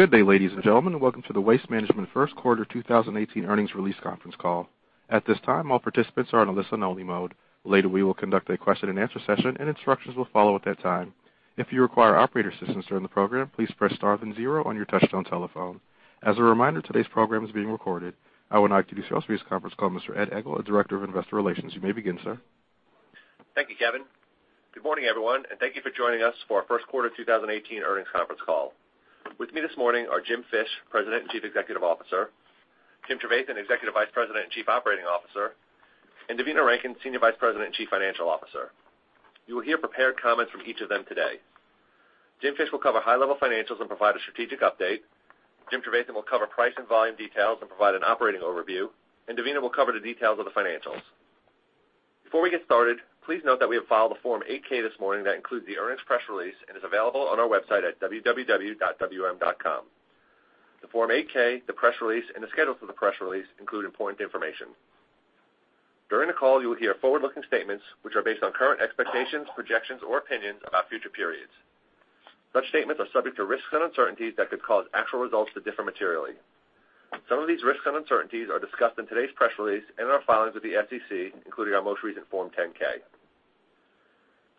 Good day, ladies and gentlemen, welcome to the Waste Management first quarter 2018 earnings release conference call. At this time, all participants are on a listen-only mode. Later, we will conduct a question-and-answer session and instructions will follow at that time. If you require operator assistance during the program, please press star then zero on your touch-tone telephone. As a reminder, today's program is being recorded. I will now give you to this conference call, Mr. Ed Egl, Director of Investor Relations. You may begin, sir. Thank you, Kevin. Good morning, everyone, thank you for joining us for our first quarter 2018 earnings conference call. With me this morning are Jim Fish, President and Chief Executive Officer, Jim Trevathan, Executive Vice President and Chief Operating Officer, and Devina Rankin, Senior Vice President and Chief Financial Officer. You will hear prepared comments from each of them today. Jim Fish will cover high-level financials and provide a strategic update. Jim Trevathan will cover price and volume details and provide an operating overview. Devina will cover the details of the financials. Before we get started, please note that we have filed a Form 8-K this morning that includes the earnings press release and is available on our website at www.wm.com. The Form 8-K, the press release, the schedules for the press release include important information. During the call, you will hear forward-looking statements, which are based on current expectations, projections, or opinions about future periods. Such statements are subject to risks and uncertainties that could cause actual results to differ materially. Some of these risks and uncertainties are discussed in today's press release and in our filings with the SEC, including our most recent Form 10-K.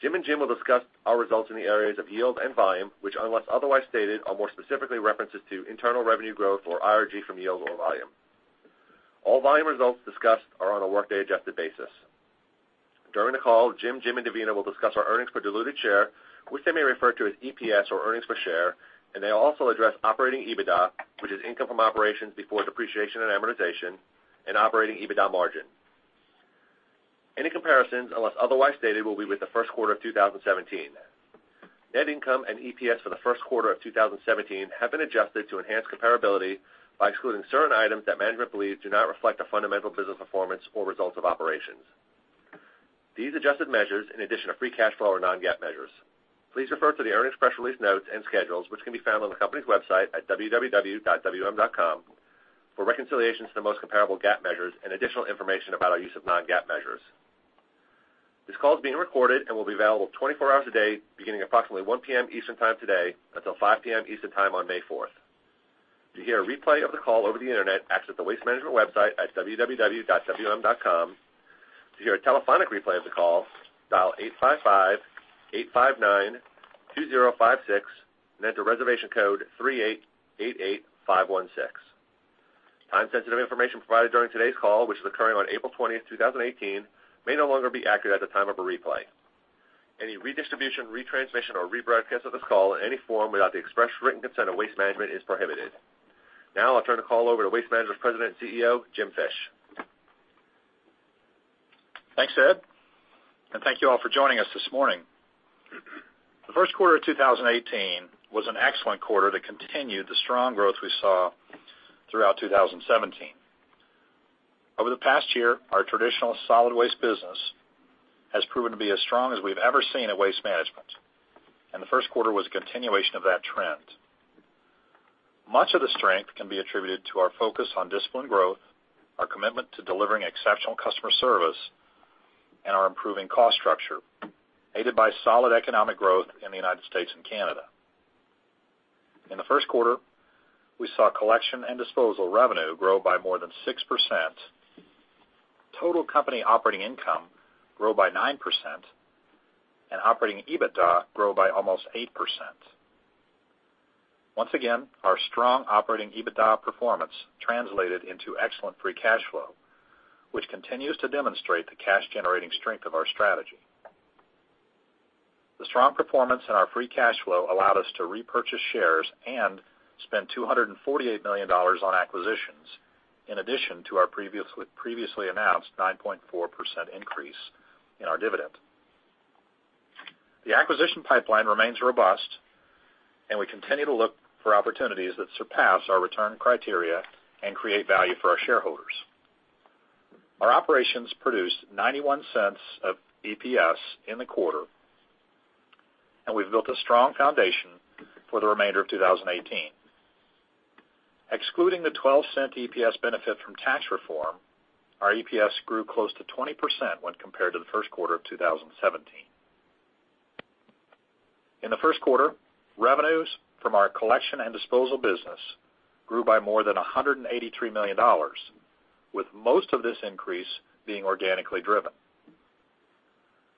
Jim and Jim will discuss our results in the areas of yield and volume, which, unless otherwise stated, are more specifically references to internal revenue growth or IRG from yield or volume. All volume results discussed are on a workday adjusted basis. During the call, Jim, and Devina will discuss our earnings per diluted share, which they may refer to as EPS or earnings per share. They will also address operating EBITDA, which is income from operations before depreciation and amortization, and operating EBITDA margin. Any comparisons, unless otherwise stated, will be with the first quarter of 2017. Net income and EPS for the first quarter of 2017 have been adjusted to enhance comparability by excluding certain items that management believes do not reflect a fundamental business performance or results of operations. These adjusted measures, in addition to free cash flow or non-GAAP measures. Please refer to the earnings press release notes and schedules, which can be found on the company's website at www.wm.com for reconciliations to the most comparable GAAP measures and additional information about our use of non-GAAP measures. This call is being recorded and will be available 24 hours a day, beginning approximately 1:00 P.M. Eastern time today until 5:00 P.M. Eastern time on May 4th. To hear a replay of the call over the Internet, access the Waste Management website at www.wm.com. To hear a telephonic replay of the call, dial 855-859-2056 and enter reservation code 3888516. Time-sensitive information provided during today's call, which is occurring on April 20th, 2018, may no longer be accurate at the time of a replay. Any redistribution, retransmission, or rebroadcast of this call in any form without the express written consent of Waste Management is prohibited. Now I'll turn the call over to Waste Management's President and CEO, Jim Fish. Thanks, Ed, and thank you all for joining us this morning. The first quarter of 2018 was an excellent quarter that continued the strong growth we saw throughout 2017. Over the past year, our traditional solid waste business has proven to be as strong as we've ever seen at Waste Management. The first quarter was a continuation of that trend. Much of the strength can be attributed to our focus on disciplined growth, our commitment to delivering exceptional customer service, and our improving cost structure, aided by solid economic growth in the U.S. and Canada. In the first quarter, we saw collection and disposal revenue grow by more than 6%, total company operating income grow by 9%, and operating EBITDA grow by almost 8%. Once again, our strong operating EBITDA performance translated into excellent free cash flow, which continues to demonstrate the cash-generating strength of our strategy. The strong performance in our free cash flow allowed us to repurchase shares and spend $248 million on acquisitions, in addition to our previously announced 9.4% increase in our dividend. The acquisition pipeline remains robust. We continue to look for opportunities that surpass our return criteria and create value for our shareholders. Our operations produced $0.91 of EPS in the quarter. We've built a strong foundation for the remainder of 2018. Excluding the $0.12 EPS benefit from tax reform, our EPS grew close to 20% when compared to the first quarter of 2017. In the first quarter, revenues from our collection and disposal business grew by more than $183 million, with most of this increase being organically driven.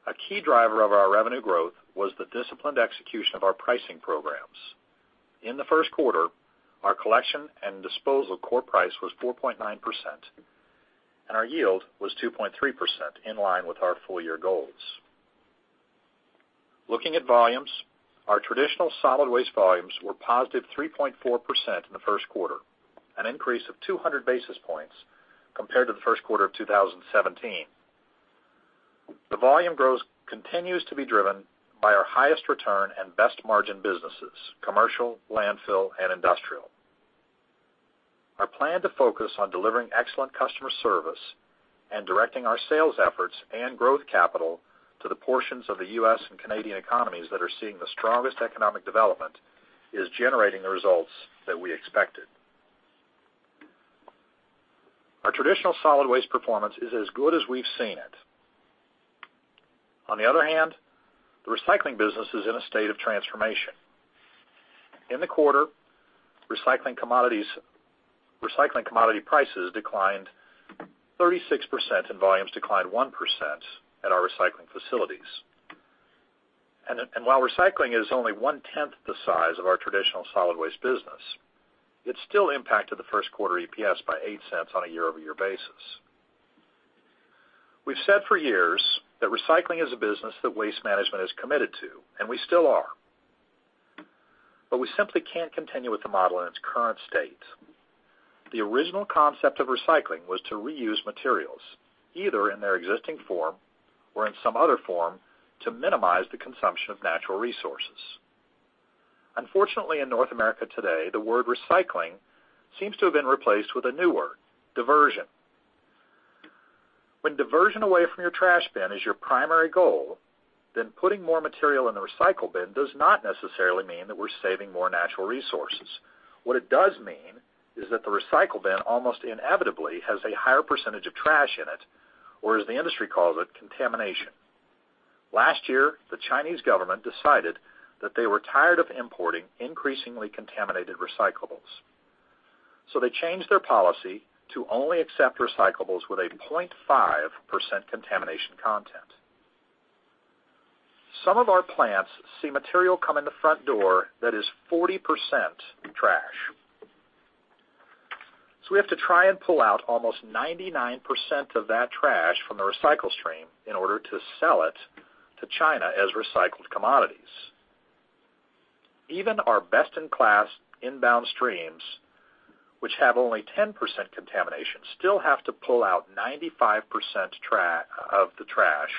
A key driver of our revenue growth was the disciplined execution of our pricing programs. In the first quarter, our collection and disposal core price was 4.9%, and our yield was 2.3%, in line with our full-year goals. Looking at volumes, our traditional solid waste volumes were positive 3.4% in the first quarter, an increase of 200 basis points compared to the first quarter of 2017. The volume growth continues to be driven by our highest return and best margin businesses, commercial, landfill, and industrial. Our plan to focus on delivering excellent customer service and directing our sales efforts and growth capital to the portions of the U.S. and Canadian economies that are seeing the strongest economic development is generating the results that we expected. Our traditional solid waste performance is as good as we've seen it. On the other hand, the recycling business is in a state of transformation. In the quarter, recycling commodity prices declined 36%, and volumes declined 1% at our recycling facilities. While recycling is only one-tenth the size of our traditional solid waste business, it still impacted the first quarter EPS by $0.08 on a year-over-year basis. We've said for years that recycling is a business that Waste Management is committed to, and we still are. We simply can't continue with the model in its current state. The original concept of recycling was to reuse materials, either in their existing form or in some other form, to minimize the consumption of natural resources. Unfortunately, in North America today, the word recycling seems to have been replaced with a new word, diversion. When diversion away from your trash bin is your primary goal, then putting more material in the recycle bin does not necessarily mean that we're saving more natural resources. What it does mean is that the recycle bin almost inevitably has a higher percentage of trash in it, or as the industry calls it, contamination. Last year, the Chinese government decided that they were tired of importing increasingly contaminated recyclables, so they changed their policy to only accept recyclables with a 0.5% contamination content. Some of our plants see material come in the front door that is 40% trash. We have to try and pull out almost 99% of that trash from the recycle stream in order to sell it to China as recycled commodities. Even our best-in-class inbound streams, which have only 10% contamination, still have to pull out 95% of the trash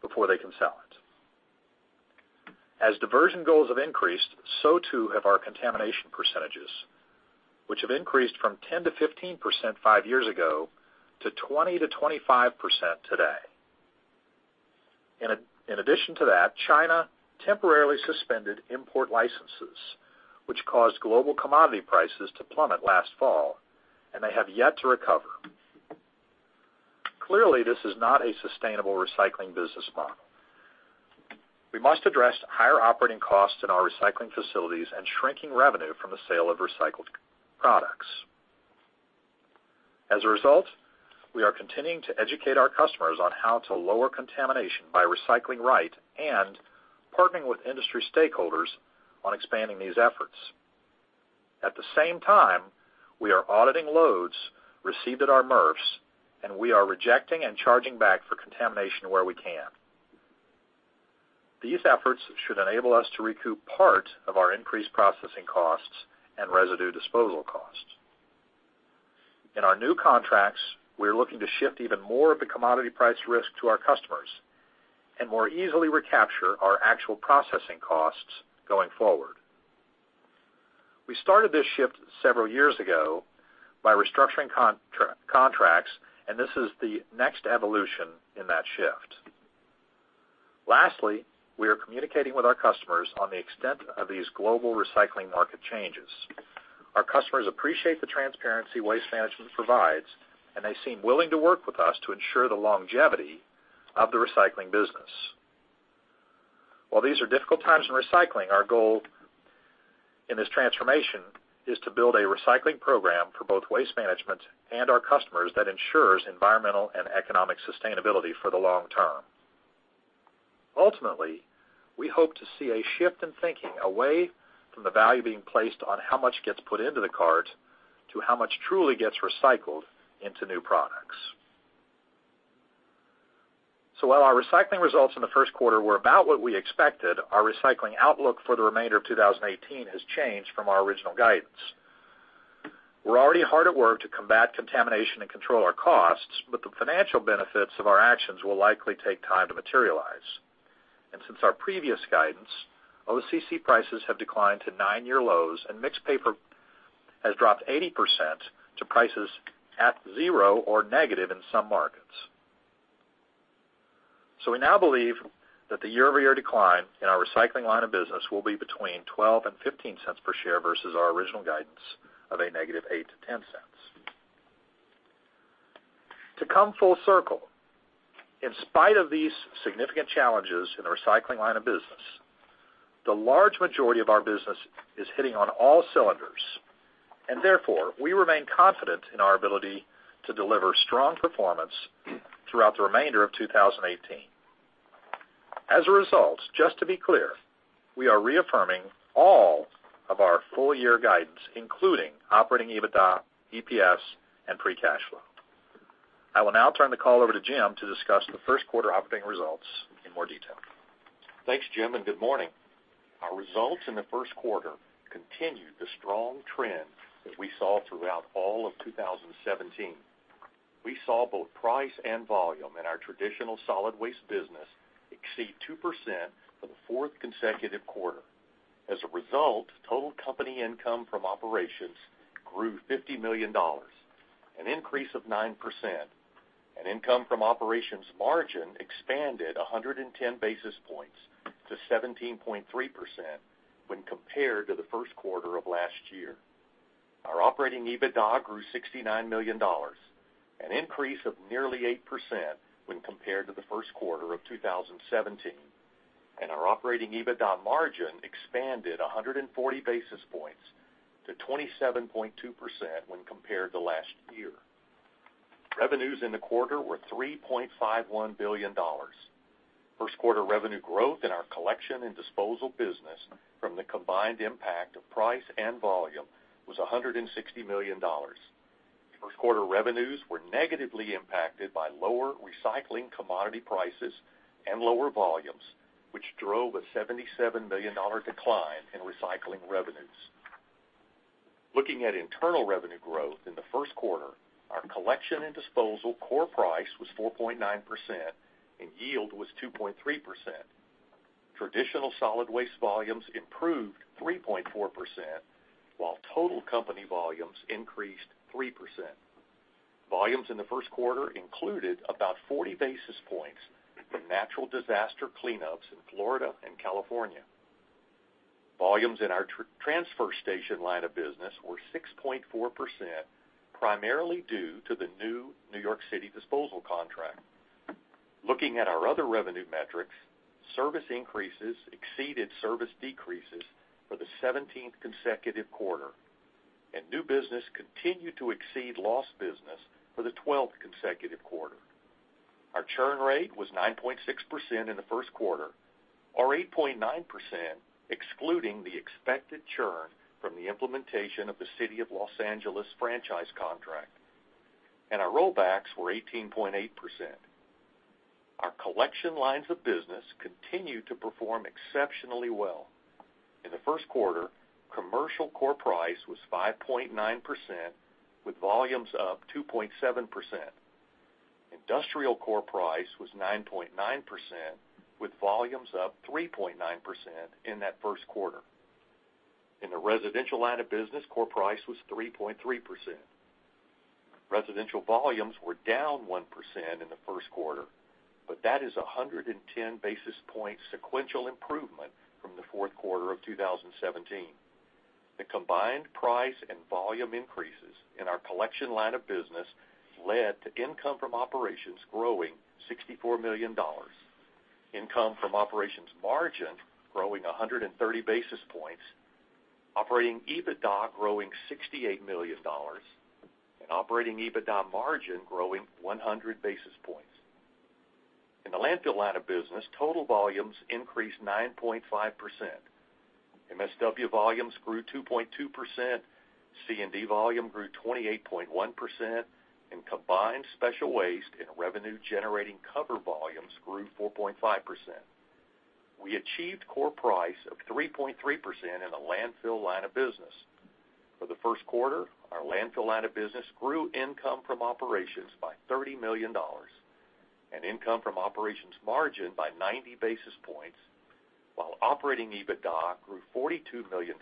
before they can sell it. As diversion goals have increased, so too have our contamination percentages, which have increased from 10%-15% five years ago to 20%-25% today. In addition to that, China temporarily suspended import licenses, which caused global commodity prices to plummet last fall, and they have yet to recover. Clearly, this is not a sustainable recycling business model. We must address higher operating costs in our recycling facilities and shrinking revenue from the sale of recycled products. As a result, we are continuing to educate our customers on how to lower contamination by recycling right and partnering with industry stakeholders on expanding these efforts. At the same time, we are auditing loads received at our MRFs, and we are rejecting and charging back for contamination where we can. These efforts should enable us to recoup part of our increased processing costs and residue disposal costs. In our new contracts, we are looking to shift even more of the commodity price risk to our customers and more easily recapture our actual processing costs going forward. We started this shift several years ago by restructuring contracts, and this is the next evolution in that shift. Lastly, we are communicating with our customers on the extent of these global recycling market changes. Our customers appreciate the transparency Waste Management provides, and they seem willing to work with us to ensure the longevity of the recycling business. While these are difficult times in recycling, our goal in this transformation is to build a recycling program for both Waste Management and our customers that ensures environmental and economic sustainability for the long term. Ultimately, we hope to see a shift in thinking away from the value being placed on how much gets put into the cart to how much truly gets recycled into new products. While our recycling results in the first quarter were about what we expected, our recycling outlook for the remainder of 2018 has changed from our original guidance. We're already hard at work to combat contamination and control our costs, but the financial benefits of our actions will likely take time to materialize. Since our previous guidance, OCC prices have declined to nine-year lows, and mixed paper has dropped 80% to prices at zero or negative in some markets. We now believe that the year-over-year decline in our recycling line of business will be between $0.12 and $0.15 per share versus our original guidance of a negative $0.08 to $0.10. To come full circle, in spite of these significant challenges in the recycling line of business, the large majority of our business is hitting on all cylinders, and therefore, we remain confident in our ability to deliver strong performance throughout the remainder of 2018. As a result, just to be clear, we are reaffirming all of our full-year guidance, including operating EBITDA, EPS, and free cash flow. I will now turn the call over to Jim to discuss the first quarter operating results in more detail. Thanks, Jim, and good morning. Our results in the first quarter continued the strong trend that we saw throughout all of 2017. We saw both price and volume in our traditional solid waste business exceed 2% for the fourth consecutive quarter. As a result, total company income from operations grew $50 million, an increase of 9%. Income from operations margin expanded 110 basis points to 17.3% when compared to the first quarter of last year. Our operating EBITDA grew $69 million, an increase of nearly 8% when compared to the first quarter of 2017. Our operating EBITDA margin expanded 140 basis points to 27.2% when compared to last year. Revenues in the quarter were $3.51 billion. First quarter revenue growth in our collection and disposal business from the combined impact of price and volume was $160 million. First quarter revenues were negatively impacted by lower recycling commodity prices and lower volumes, which drove a $77 million decline in recycling revenues. Looking at internal revenue growth in the first quarter, our collection and disposal core price was 4.9% and yield was 2.3%. Traditional solid waste volumes improved 3.4%, while total company volumes increased 3%. Volumes in the first quarter included about 40 basis points from natural disaster cleanups in Florida and California. Volumes in our transfer station line of business were 6.4%, primarily due to the new New York City disposal contract. Looking at our other revenue metrics, service increases exceeded service decreases for the 17th consecutive quarter, and new business continued to exceed lost business for the 12th consecutive quarter. Our churn rate was 9.6% in the first quarter, or 8.9%, excluding the expected churn from the implementation of the City of Los Angeles franchise contract. Our rollbacks were 18.8%. Our collection lines of business continue to perform exceptionally well. In the first quarter, commercial core price was 5.9%, with volumes up 2.7%. Industrial core price was 9.9%, with volumes up 3.9% in that first quarter. In the residential line of business, core price was 3.3%. Residential volumes were down 1% in the first quarter, that is a 110 basis point sequential improvement from the fourth quarter of 2017. The combined price and volume increases in our collection line of business led to income from operations growing $64 million, income from operations margin growing 130 basis points, operating EBITDA growing $68 million, and operating EBITDA margin growing 100 basis points. In the landfill line of business, total volumes increased 9.5%. MSW volumes grew 2.2%, C&D volume grew 28.1%, and combined special waste and revenue-generating cover volumes grew 4.5%. We achieved core price of 3.3% in the landfill line of business. For the first quarter, our landfill line of business grew income from operations by $30 million and income from operations margin by 90 basis points, while operating EBITDA grew $42 million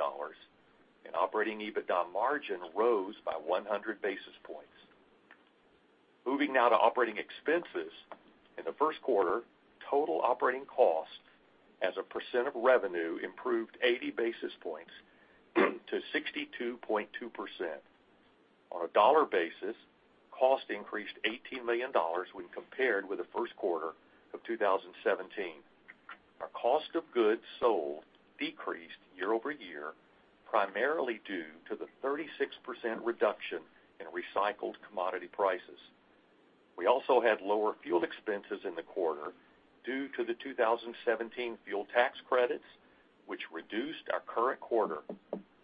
and operating EBITDA margin rose by 100 basis points. Moving now to operating expenses. In the first quarter, total operating cost as a percent of revenue improved 80 basis points to 62.2%. On a dollar basis, cost increased $18 million when compared with the first quarter of 2017. Our cost of goods sold decreased year-over-year, primarily due to the 36% reduction in recycled commodity prices. We also had lower fuel expenses in the quarter due to the 2017 fuel tax credits, which reduced our current quarter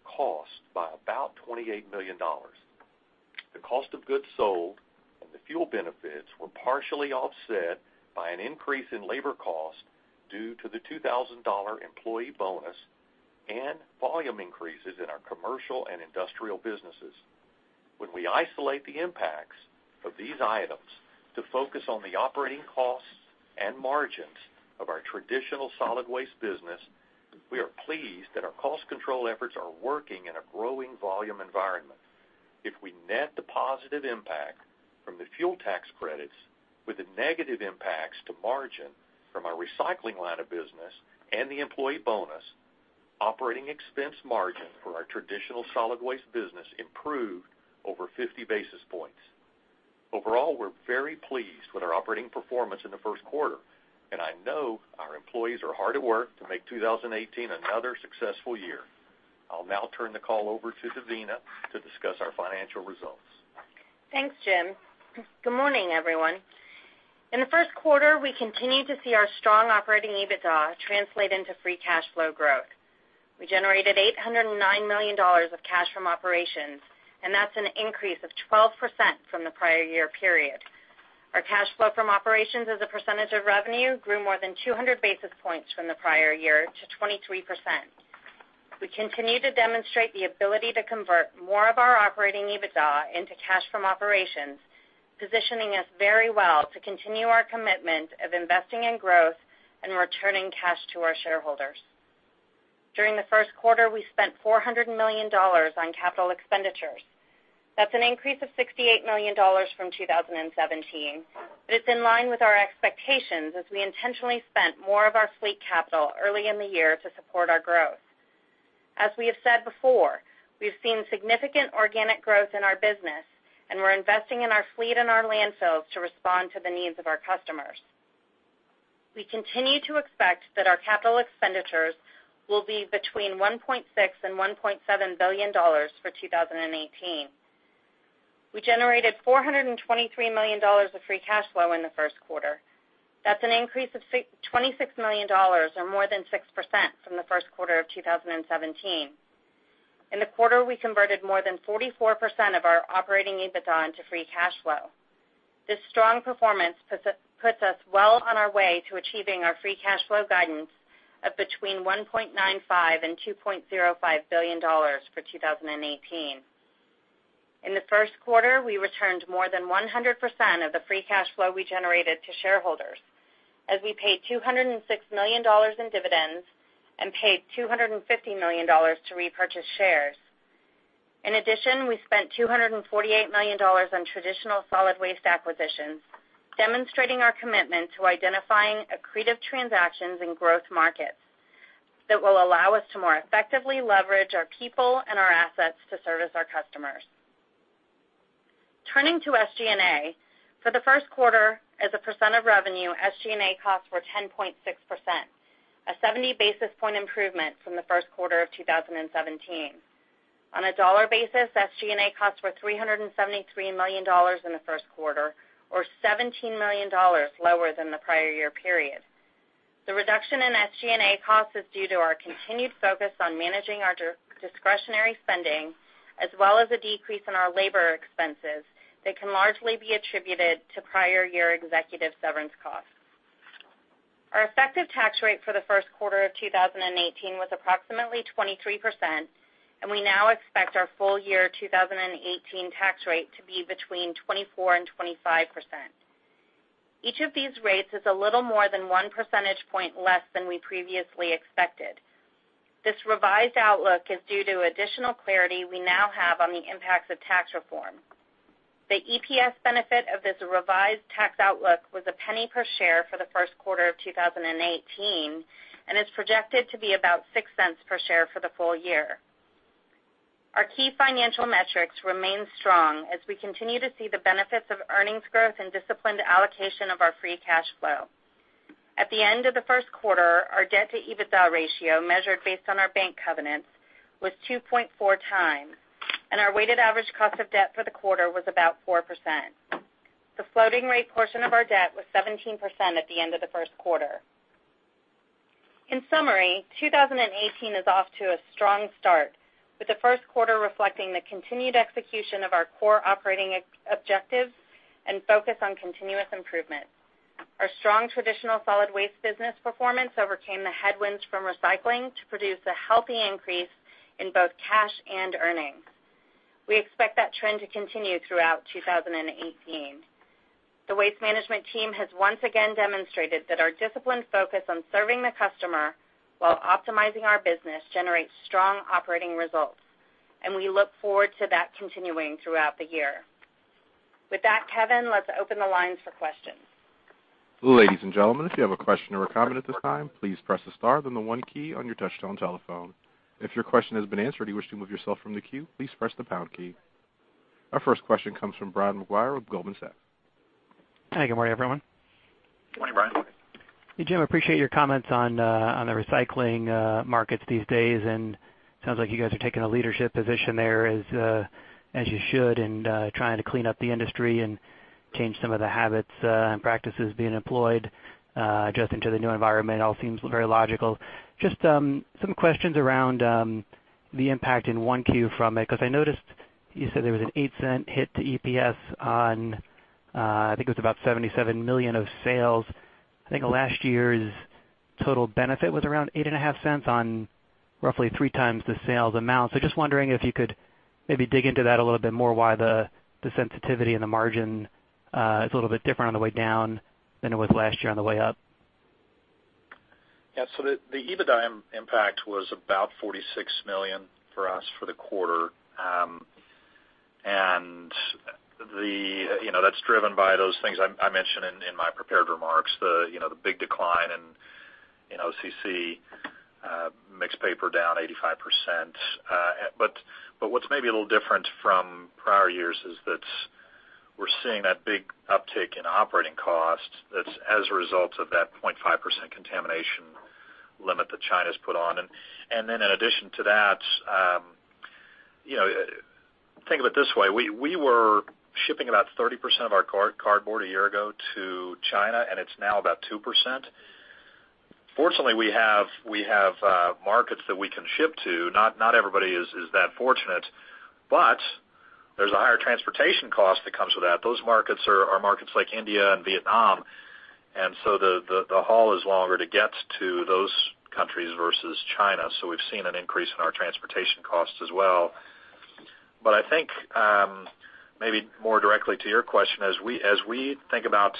cost by about $28 million. The cost of goods sold and the fuel benefits were partially offset by an increase in labor cost due to the $2,000 employee bonus and volume increases in our commercial and industrial businesses. When we isolate the impacts of these items to focus on the operating costs and margins of our traditional solid waste business, we are pleased that our cost control efforts are working in a growing volume environment. If we net the positive impact from the fuel tax credits with the negative impacts to margin from our recycling line of business and the employee bonus, operating expense margin for our traditional solid waste business improved over 50 basis points. Overall, we're very pleased with our operating performance in the first quarter, and I know our employees are hard at work to make 2018 another successful year. I'll now turn the call over to Devina to discuss our financial results. Thanks, Jim. Good morning, everyone. In the first quarter, we continued to see our strong operating EBITDA translate into free cash flow growth. We generated $809 million of cash from operations, and that's an increase of 12% from the prior year period. Our cash flow from operations as a percentage of revenue grew more than 200 basis points from the prior year to 23%. We continue to demonstrate the ability to convert more of our operating EBITDA into cash from operations, positioning us very well to continue our commitment of investing in growth and returning cash to our shareholders. During the first quarter, we spent $400 million on capital expenditures. That's an increase of $68 million from 2017, but it's in line with our expectations as we intentionally spent more of our fleet capital early in the year to support our growth. As we have said before, we've seen significant organic growth in our business, and we're investing in our fleet and our landfills to respond to the needs of our customers. We continue to expect that our capital expenditures will be between $1.6 billion-$1.7 billion for 2018. We generated $423 million of free cash flow in the first quarter. That's an increase of $26 million, or more than 6%, from the first quarter of 2017. In the quarter, we converted more than 44% of our operating EBITDA into free cash flow. This strong performance puts us well on our way to achieving our free cash flow guidance of between $1.95 billion-$2.05 billion for 2018. In the first quarter, we returned more than 100% of the free cash flow we generated to shareholders, as we paid $206 million in dividends and paid $250 million to repurchase shares. In addition, we spent $248 million on traditional solid waste acquisitions, demonstrating our commitment to identifying accretive transactions in growth markets that will allow us to more effectively leverage our people and our assets to service our customers. Turning to SG&A. For the first quarter, as a percent of revenue, SG&A costs were 10.6%, a 70 basis point improvement from the first quarter of 2017. On a dollar basis, SG&A costs were $373 million in the first quarter, or $17 million lower than the prior year period. The reduction in SG&A costs is due to our continued focus on managing our discretionary spending, as well as a decrease in our labor expenses that can largely be attributed to prior year executive severance costs. Our effective tax rate for the first quarter of 2018 was approximately 23%, and we now expect our full year 2018 tax rate to be between 24%-25%. Each of these rates is a little more than one percentage point less than we previously expected. This revised outlook is due to additional clarity we now have on the impacts of tax reform. The EPS benefit of this revised tax outlook was $0.01 per share for the first quarter of 2018 and is projected to be about $0.06 per share for the full year. Our key financial metrics remain strong as we continue to see the benefits of earnings growth and disciplined allocation of our free cash flow. At the end of the first quarter, our debt-to-EBITDA ratio, measured based on our bank covenants, was 2.4 times, and our weighted average cost of debt for the quarter was about 4%. The floating rate portion of our debt was 17% at the end of the first quarter. In summary, 2018 is off to a strong start, with the first quarter reflecting the continued execution of our core operating objectives and focus on continuous improvement. Our strong traditional solid waste business performance overcame the headwinds from recycling to produce a healthy increase in both cash and earnings. We expect that trend to continue throughout 2018. The Waste Management team has once again demonstrated that our disciplined focus on serving the customer while optimizing our business generates strong operating results, and we look forward to that continuing throughout the year. With that, Kevin, let's open the lines for questions. Ladies and gentlemen, if you have a question or a comment at this time, please press the star, then the one key on your touchtone telephone. If your question has been answered and you wish to remove yourself from the queue, please press the pound key. Our first question comes from Brian Maguire with Goldman Sachs. Hi, good morning, everyone. Good morning, Brian. Hey, Jim, appreciate your comments on the recycling markets these days. Sounds like you guys are taking a leadership position there as you should, and trying to clean up the industry and change some of the habits and practices being employed. Adjusting to the new environment all seems very logical. Just some questions around the impact in 1Q from it, because I noticed you said there was an $0.08 hit to EPS on, I think it was about $77 million of sales. I think last year's total benefit was around $0.085 on roughly three times the sales amount. Just wondering if you could maybe dig into that a little bit more, why the sensitivity and the margin is a little bit different on the way down than it was last year on the way up. Yeah. The EBITDA impact was about $46 million for us for the quarter. That's driven by those things I mentioned in my prepared remarks, the big decline in OCC, mixed paper down 85%. What's maybe a little different from prior years is that we're seeing that big uptick in operating costs that's as a result of that 0.5% contamination limit that China's put on. In addition to that, think of it this way. We were shipping about 30% of our cardboard a year ago to China, and it's now about 2%. Fortunately, we have markets that we can ship to. Not everybody is that fortunate. There's a higher transportation cost that comes with that. Those markets are markets like India and Vietnam, the haul is longer to get to those countries versus China. We've seen an increase in our transportation costs as well. I think maybe more directly to your question, as we think about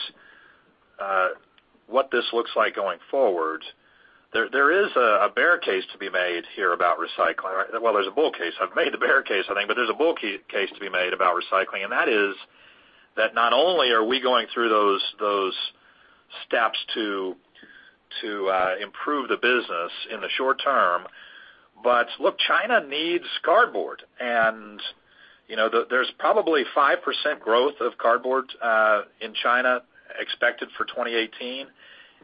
what this looks like going forward, there is a bear case to be made here about recycling. Well, there's a bull case. I've made the bear case, I think, there's a bull case to be made about recycling, and that is that not only are we going through those steps to improve the business in the short term, but look, China needs cardboard. There's probably 5% growth of cardboard in China expected for 2018,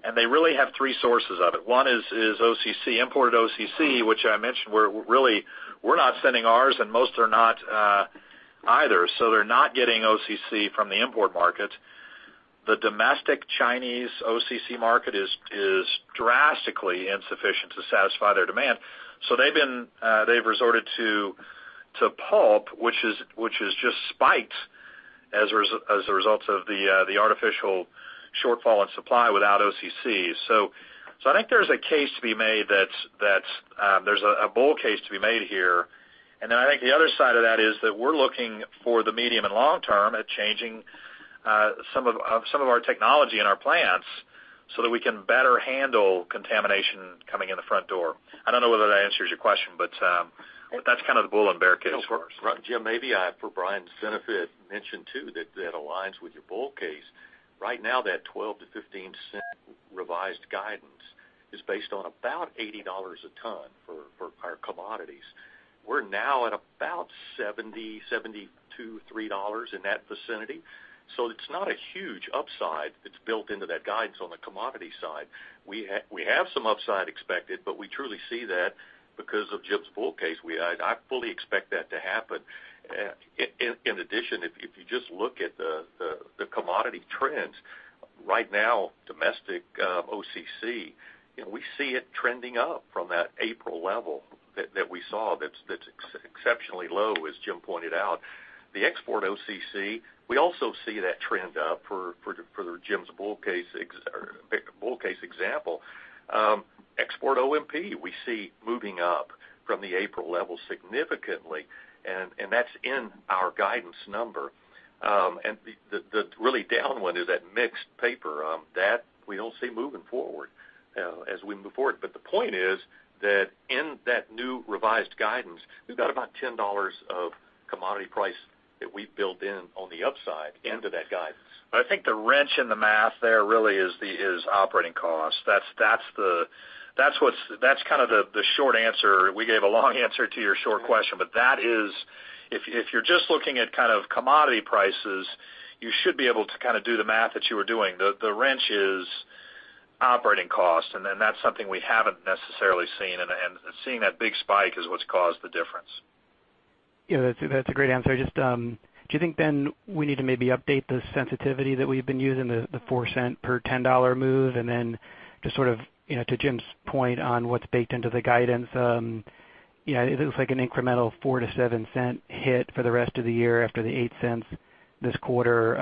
and they really have three sources of it. One is OCC, imported OCC, which I mentioned we're really not sending ours, and most are not either. They're not getting OCC from the import market. The domestic Chinese OCC market is drastically insufficient to satisfy their demand. They've resorted to pulp, which has just spiked as a result of the artificial shortfall in supply without OCC. I think there's a case to be made that there's a bull case to be made here. I think the other side of that is that we're looking for the medium and long term at changing some of our technology in our plants so that we can better handle contamination coming in the front door. I don't know whether that answers your question, but that's kind of the bull and bear case for us. Jim, maybe for Brian's benefit, mention too, that aligns with your bull case. Right now, that $0.12 to $0.15 revised guidance is based on about $80 a ton for our commodities. We're now at about $70, $72, $73, in that vicinity. It's not a huge upside that's built into that guidance on the commodity side. We have some upside expected, but we truly see that because of Jim's bull case. I fully expect that to happen. In addition, if you just look at the commodity trends right now, domestic OCC, we see it trending up from that April level that we saw that's exceptionally low, as Jim pointed out. The export OCC, we also see that trend up for Jim's bull case example. Export ONP, we see moving up from the April level significantly, and that's in our guidance number. The really down one is that mixed paper. That we don't see moving forward as we move forward. The point is that in that new revised guidance, we've got about $10 of commodity price that we've built in on the upside into that guidance. I think the wrench in the math there really is operating cost. That's kind of the short answer. We gave a long answer to your short question, but that is, if you're just looking at kind of commodity prices, you should be able to kind of do the math that you were doing. The wrench is operating cost, that's something we haven't necessarily seen, and seeing that big spike is what's caused the difference. Yeah, that's a great answer. Do you think we need to maybe update the sensitivity that we've been using, the $0.04 per $10 move? Just sort of to Jim's point on what's baked into the guidance, it looks like an incremental $0.04-$0.07 hit for the rest of the year after the $0.08 this quarter.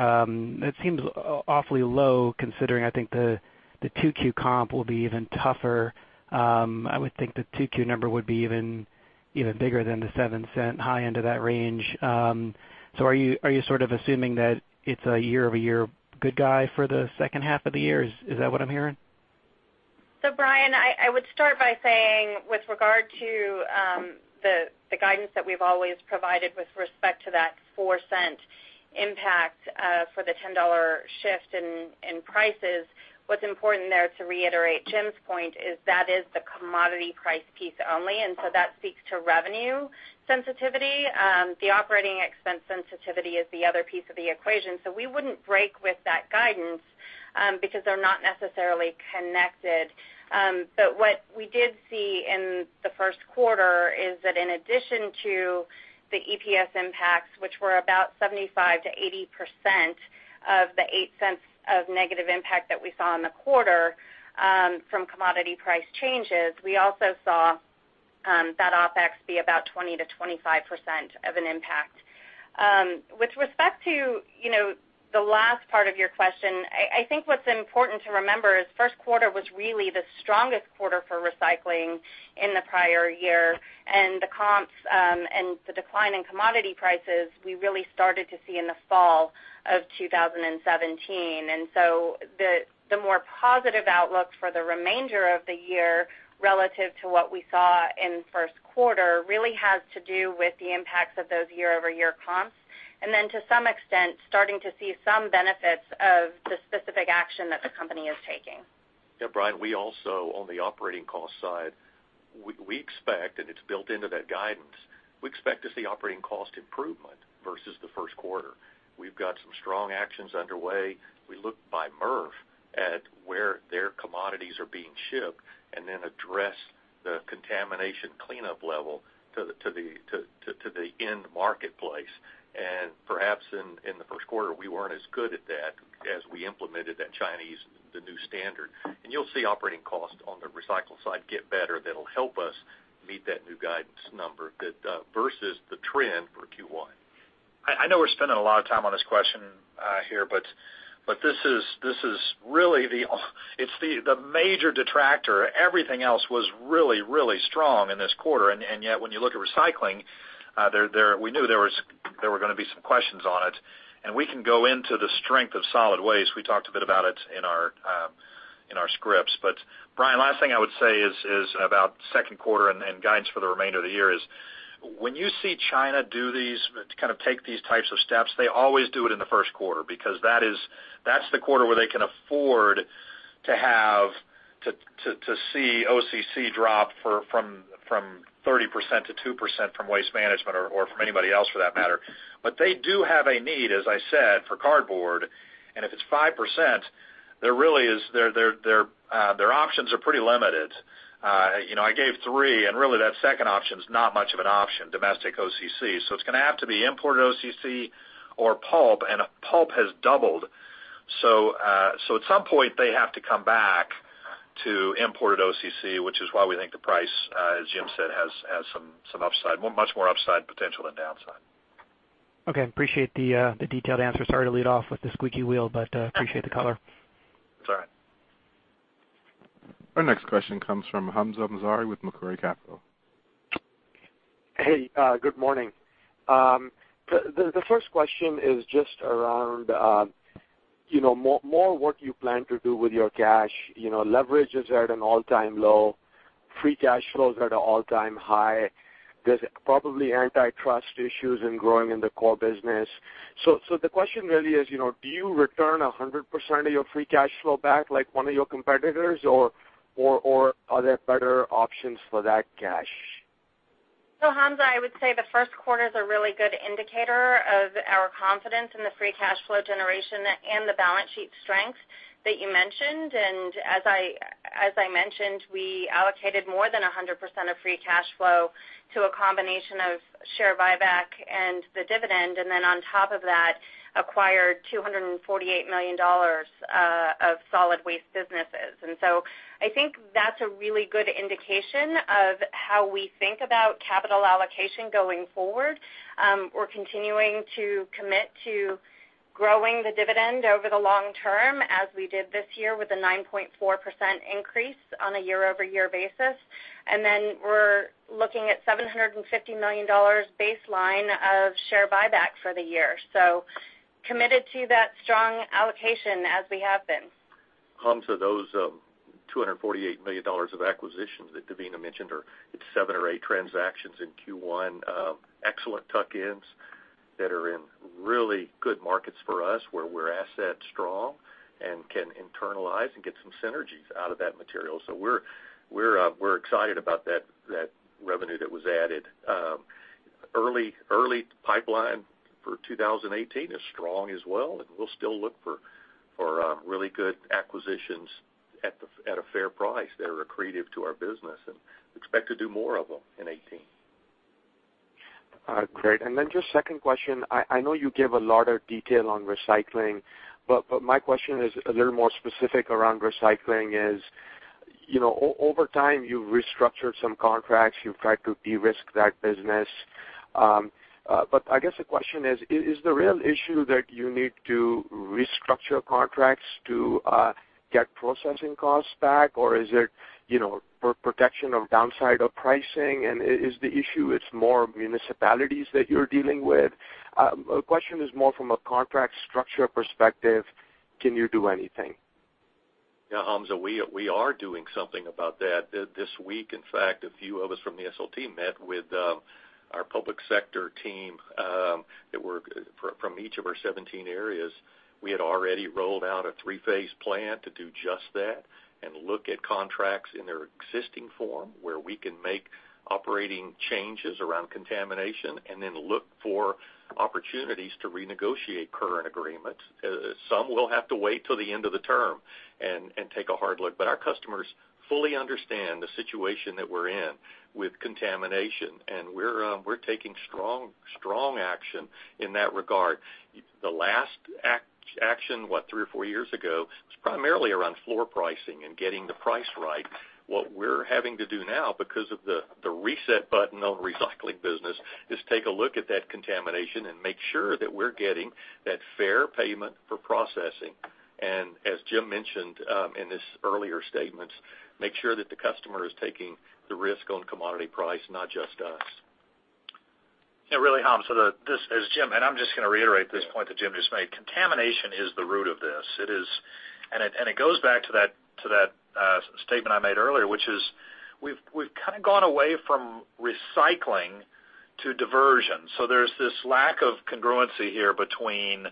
It seems awfully low considering I think the 2Q comp will be even tougher. I would think the 2Q number would be even bigger than the $0.07 high end of that range. Are you sort of assuming that it's a year-over-year good guy for the second half of the year? Is that what I'm hearing? Brian, I would start by saying with regard to the guidance that we've always provided with respect to that $0.04 impact for the $10 shift in prices, what's important there, to reiterate Jim's point, is that is the commodity price piece only, that speaks to revenue sensitivity. The operating expense sensitivity is the other piece of the equation. We wouldn't break with that guidance because they're not necessarily connected. What we did see in the first quarter is that in addition to the EPS impacts, which were about 75%-80% of the $0.08 of negative impact that we saw in the quarter from commodity price changes, we also saw that OpEx be about 20%-25% of an impact. With respect to the last part of your question, I think what's important to remember is first quarter was really the strongest quarter for recycling in the prior year. The comps and the decline in commodity prices, we really started to see in the fall of 2017. The more positive outlook for the remainder of the year relative to what we saw in first quarter really has to do with the impacts of those year-over-year comps. To some extent, starting to see some benefits of the specific action that the company is taking. Yeah, Brian, we also on the operating cost side, we expect, and it's built into that guidance, we expect to see operating cost improvement versus the first quarter. We've got some strong actions underway. We look by MRF at where their commodities are being shipped and then address the contamination cleanup level to the end marketplace. Perhaps in the first quarter, we weren't as good at that as we implemented that Chinese, the new standard. You'll see operating costs on the recycle side get better. That'll help us meet that new guidance number versus the trend for Q1. I know we're spending a lot of time on this question here, this is really the major detractor. Everything else was really, really strong in this quarter, and yet when you look at recycling, we knew there were going to be some questions on it, and we can go into the strength of solid waste. We talked a bit about it in our scripts. Brian, last thing I would say is about second quarter and guidance for the remainder of the year is, when you see China do these, kind of take these types of steps, they always do it in the first quarter because that's the quarter where they can afford to see OCC drop from 30% to 2% from Waste Management or from anybody else for that matter. They do have a need, as I said, for cardboard, and if it's 5%, their options are pretty limited. I gave three, and really that second option is not much of an option, domestic OCC. It's going to have to be imported OCC or pulp, and pulp has doubled. At some point, they have to come back to imported OCC, which is why we think the price, as Jim said, has some upside, much more upside potential than downside. Okay. Appreciate the detailed answer. Sorry to lead off with the squeaky wheel, but appreciate the color. It's all right. Our next question comes from Hamzah Mazari with Macquarie Capital. Hey, good morning. The first question is just around more what you plan to do with your cash. Leverage is at an all-time low. Free cash flow is at an all-time high. There's probably antitrust issues in growing in the core business. The question really is, do you return 100% of your free cash flow back like one of your competitors, or are there better options for that cash? Hamzah, I would say the first quarter is a really good indicator of our confidence in the free cash flow generation and the balance sheet strength that you mentioned. As I mentioned, we allocated more than 100% of free cash flow to a combination of share buyback and the dividend, then on top of that, acquired $248 million of solid waste businesses. I think that's a really good indication of how we think about capital allocation going forward. We're continuing to commit to growing the dividend over the long term, as we did this year with a 9.4% increase on a year-over-year basis. Then we're looking at $750 million baseline of share buyback for the year. Committed to that strong allocation as we have been. Hamzah, those $248 million of acquisitions that Devina mentioned are seven or eight transactions in Q1. Excellent tuck-ins that are in really good markets for us, where we're asset strong and can internalize and get some synergies out of that material. We're excited about that revenue that was added. Early pipeline for 2018 is strong as well, we'll still look for really good acquisitions at a fair price that are accretive to our business, expect to do more of them in 2018. All right, great. Just second question, I know you gave a lot of detail on recycling, but my question is a little more specific around recycling is, over time, you've restructured some contracts, you've tried to de-risk that business. I guess the question is the real issue that you need to restructure contracts to get processing costs back, or is it for protection of downside of pricing? Is the issue, it's more municipalities that you're dealing with? Question is more from a contract structure perspective, can you do anything? Yeah, Hamzah, we are doing something about that. This week, in fact, a few of us from the SLT met with our public sector team from each of our 17 areas. We had already rolled out a three-phase plan to do just that and look at contracts in their existing form where we can make operating changes around contamination and then look for opportunities to renegotiate current agreements. Some will have to wait till the end of the term and take a hard look. Our customers fully understand the situation that we're in with contamination, and we're taking strong action in that regard. The last action, what, three or four years ago, was primarily around floor pricing and getting the price right. What we're having to do now, because of the reset button on recycling business, is take a look at that contamination and make sure that we're getting that fair payment for processing. As Jim mentioned in his earlier statements, make sure that the customer is taking the risk on commodity price, not just us. Yeah, really, Hamzah, as Jim, I'm just going to reiterate this point that Jim just made, contamination is the root of this. It goes back to that statement I made earlier, which is we've kind of gone away from recycling to diversion. There's this lack of congruency here between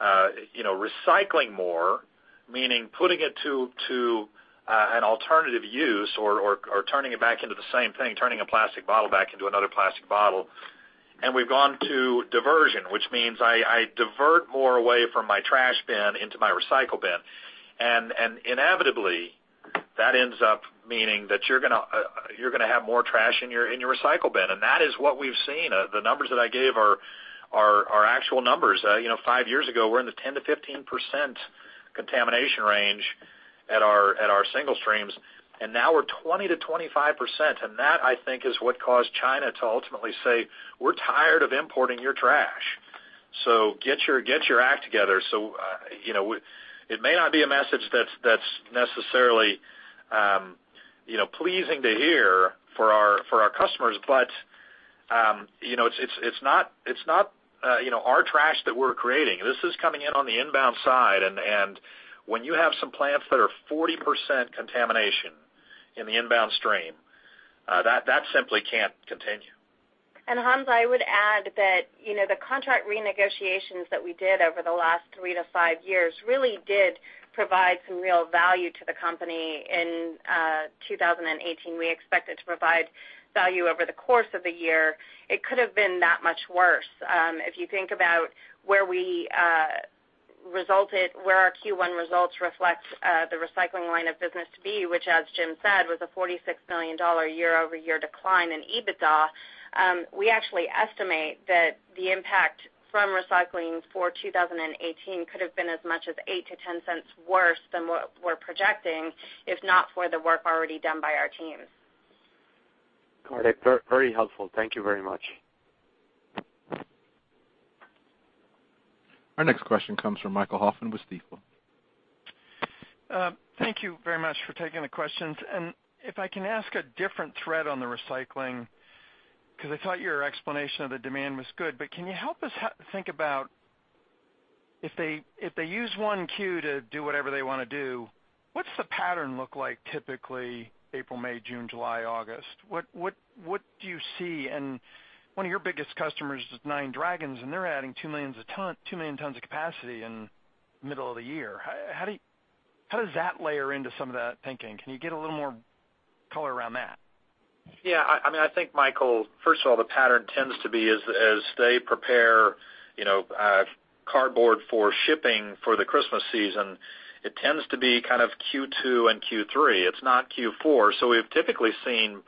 recycling more, meaning putting it to an alternative use or turning it back into the same thing, turning a plastic bottle back into another plastic bottle. We've gone to diversion, which means I divert more away from my trash bin into my recycle bin. Inevitably, that ends up meaning that you're going to have more trash in your recycle bin, and that is what we've seen. The numbers that I gave are actual numbers. Five years ago, we're in the 10%-15% contamination range at our single streams, and now we're 20%-25%. That, I think, is what caused China to ultimately say, "We're tired of importing your trash. Get your act together." It may not be a message that's necessarily pleasing to hear for our customers, but it's not our trash that we're creating. This is coming in on the inbound side, and when you have some plants that are 40% contamination in the inbound stream, that simply can't continue. Hamzah, I would add that the contract renegotiations that we did over the last three to five years really did provide some real value to the company. In 2018, we expected to provide value over the course of the year. It could have been that much worse. If you think about where our Q1 results reflect the recycling line of business to be, which as Jim said, was a $46 million year-over-year decline in EBITDA. We actually estimate that the impact from recycling for 2018 could have been as much as $0.08 to $0.10 worse than what we're projecting, if not for the work already done by our teams. Got it. Very helpful. Thank you very much. Our next question comes from Michael Hoffman with Stifel. Thank you very much for taking the questions. If I can ask a different thread on the recycling, because I thought your explanation of the demand was good, but can you help us think about if they use 1Q to do whatever they want to do, what's the pattern look like typically April, May, June, July, August? What do you see? One of your biggest customers is Nine Dragons, and they're adding 2 million tons of capacity in middle of the year. How does that layer into some of that thinking? Can you give a little more color around that? Yeah. I think, Michael, first of all, the pattern tends to be as they prepare cardboard for shipping for the Christmas season, it tends to be kind of Q2 and Q3. It's not Q4. We've typically seen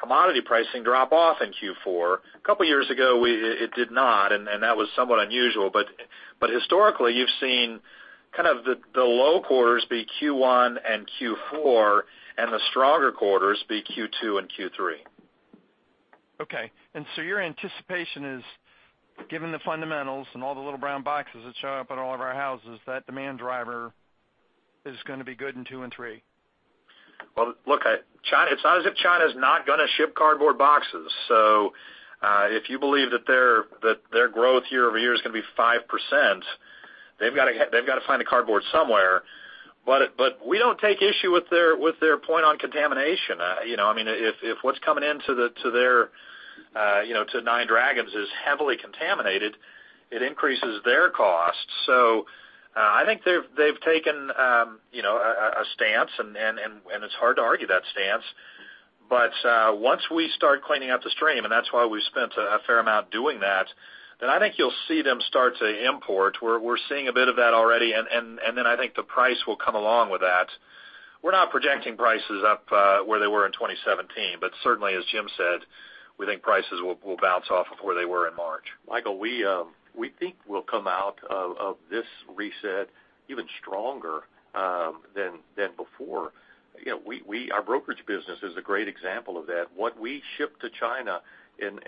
commodity pricing drop off in Q4. A couple of years ago, it did not, and that was somewhat unusual. Historically, you've seen kind of the low quarters be Q1 and Q4, and the stronger quarters be Q2 and Q3. Okay. Your anticipation is, given the fundamentals and all the little brown boxes that show up at all of our houses, that demand driver is going to be good in 2 and 3? Well, look, it's not as if China's not going to ship cardboard boxes. If you believe that their growth year-over-year is going to be 5%, they've got to find a cardboard somewhere. We don't take issue with their point on contamination. If what's coming in to Nine Dragons is heavily contaminated, it increases their cost. I think they've taken a stance, and it's hard to argue that stance. Once we start cleaning up the stream, and that's why we've spent a fair amount doing that, then I think you'll see them start to import. We're seeing a bit of that already, and then I think the price will come along with that. We're not projecting prices up where they were in 2017, but certainly, as Jim said, we think prices will bounce off of where they were in March. Michael, we think we'll come out of this reset even stronger than before. Our brokerage business is a great example of that. What we shipped to China in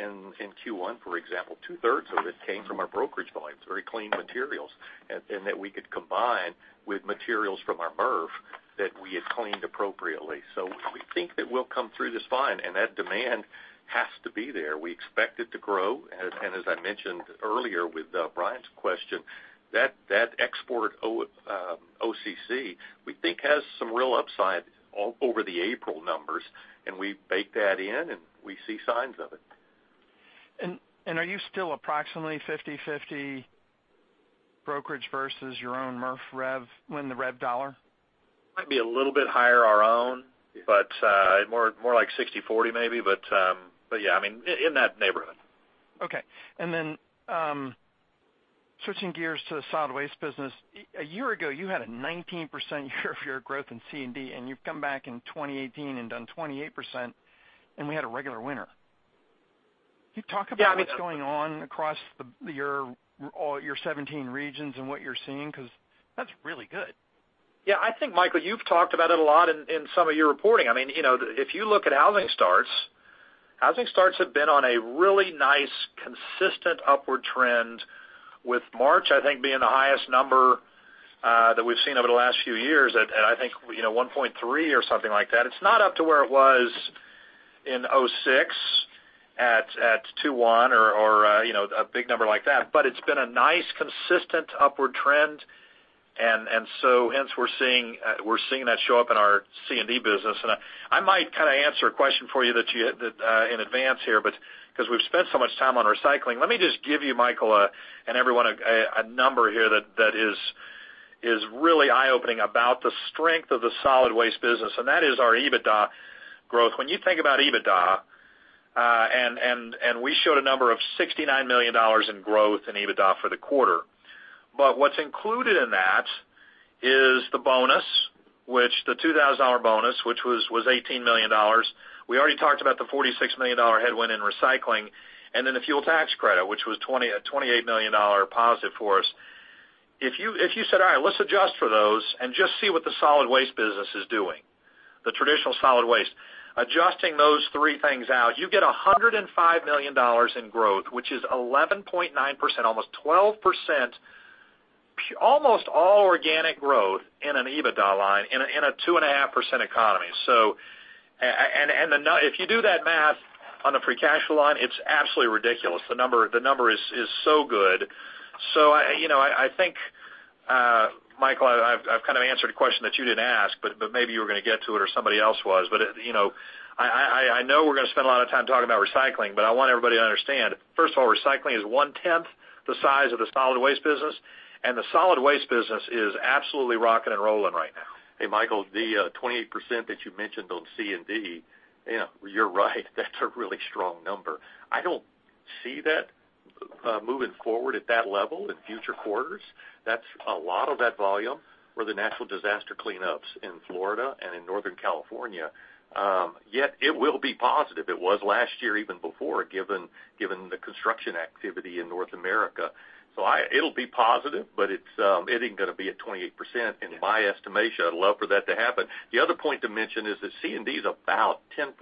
Q1, for example, two-thirds of it came from our brokerage volumes, very clean materials, and that we could combine with materials from our MRF that we had cleaned appropriately. We think that we'll come through this fine, and that demand has to be there. We expect it to grow. As I mentioned earlier with Brian's question, that export OCC, we think has some real upside over the April numbers, and we bake that in, and we see signs of it. Are you still approximately 50/50 brokerage versus your own MRF rev when the rev dollar? Might be a little bit higher our own, more like 60/40 maybe. Yeah, in that neighborhood. Okay. Then, switching gears to the solid waste business. A year ago, you had a 19% year-over-year growth in C&D, and you've come back in 2018 and done 28%, and we had a regular winter. Can you talk about what's going on across all your 17 regions and what you're seeing? Because that's really good. Yeah. I think, Michael, you've talked about it a lot in some of your reporting. If you look at housing starts, housing starts have been on a really nice, consistent upward trend with March, I think, being the highest number that we've seen over the last few years at, I think, 1.3 or something like that. It's not up to where it was in 2006 at 2.1 or a big number like that, but it's been a nice, consistent upward trend. Hence we're seeing that show up in our C&D business. I might kind of answer a question for you in advance here, because we've spent so much time on recycling. Let me just give you, Michael, and everyone, a number here that is really eye-opening about the strength of the solid waste business, and that is our EBITDA growth. When you think about EBITDA, we showed a number of $69 million in growth in EBITDA for the quarter. What's included in that is the $2,000 bonus, which was $18 million. We already talked about the $46 million headwind in recycling, and then the fuel tax credit, which was a $28 million positive for us. If you said, "All right, let's adjust for those and just see what the solid waste business is doing," the traditional solid waste. Adjusting those three things out, you get $105 million in growth, which is 11.9%, almost 12%, almost all organic growth in an EBITDA line in a 2.5% economy. If you do that math on the free cash flow line, it's absolutely ridiculous. The number is so good. I think, Michael, I've kind of answered a question that you didn't ask, but maybe you were going to get to it or somebody else was. I know we're going to spend a lot of time talking about recycling, but I want everybody to understand, first of all, recycling is one-tenth the size of the solid waste business, and the solid waste business is absolutely rocking and rolling right now. Hey, Michael, the 28% that you mentioned on C&D, you're right, that's a really strong number. I don't see that moving forward at that level in future quarters. A lot of that volume were the natural disaster cleanups in Florida and in Northern California. Yet it will be positive. It was last year, even before, given the construction activity in North America. It'll be positive, but it isn't going to be at 28% in my estimation. I'd love for that to happen. The other point to mention is that C&D is about 10%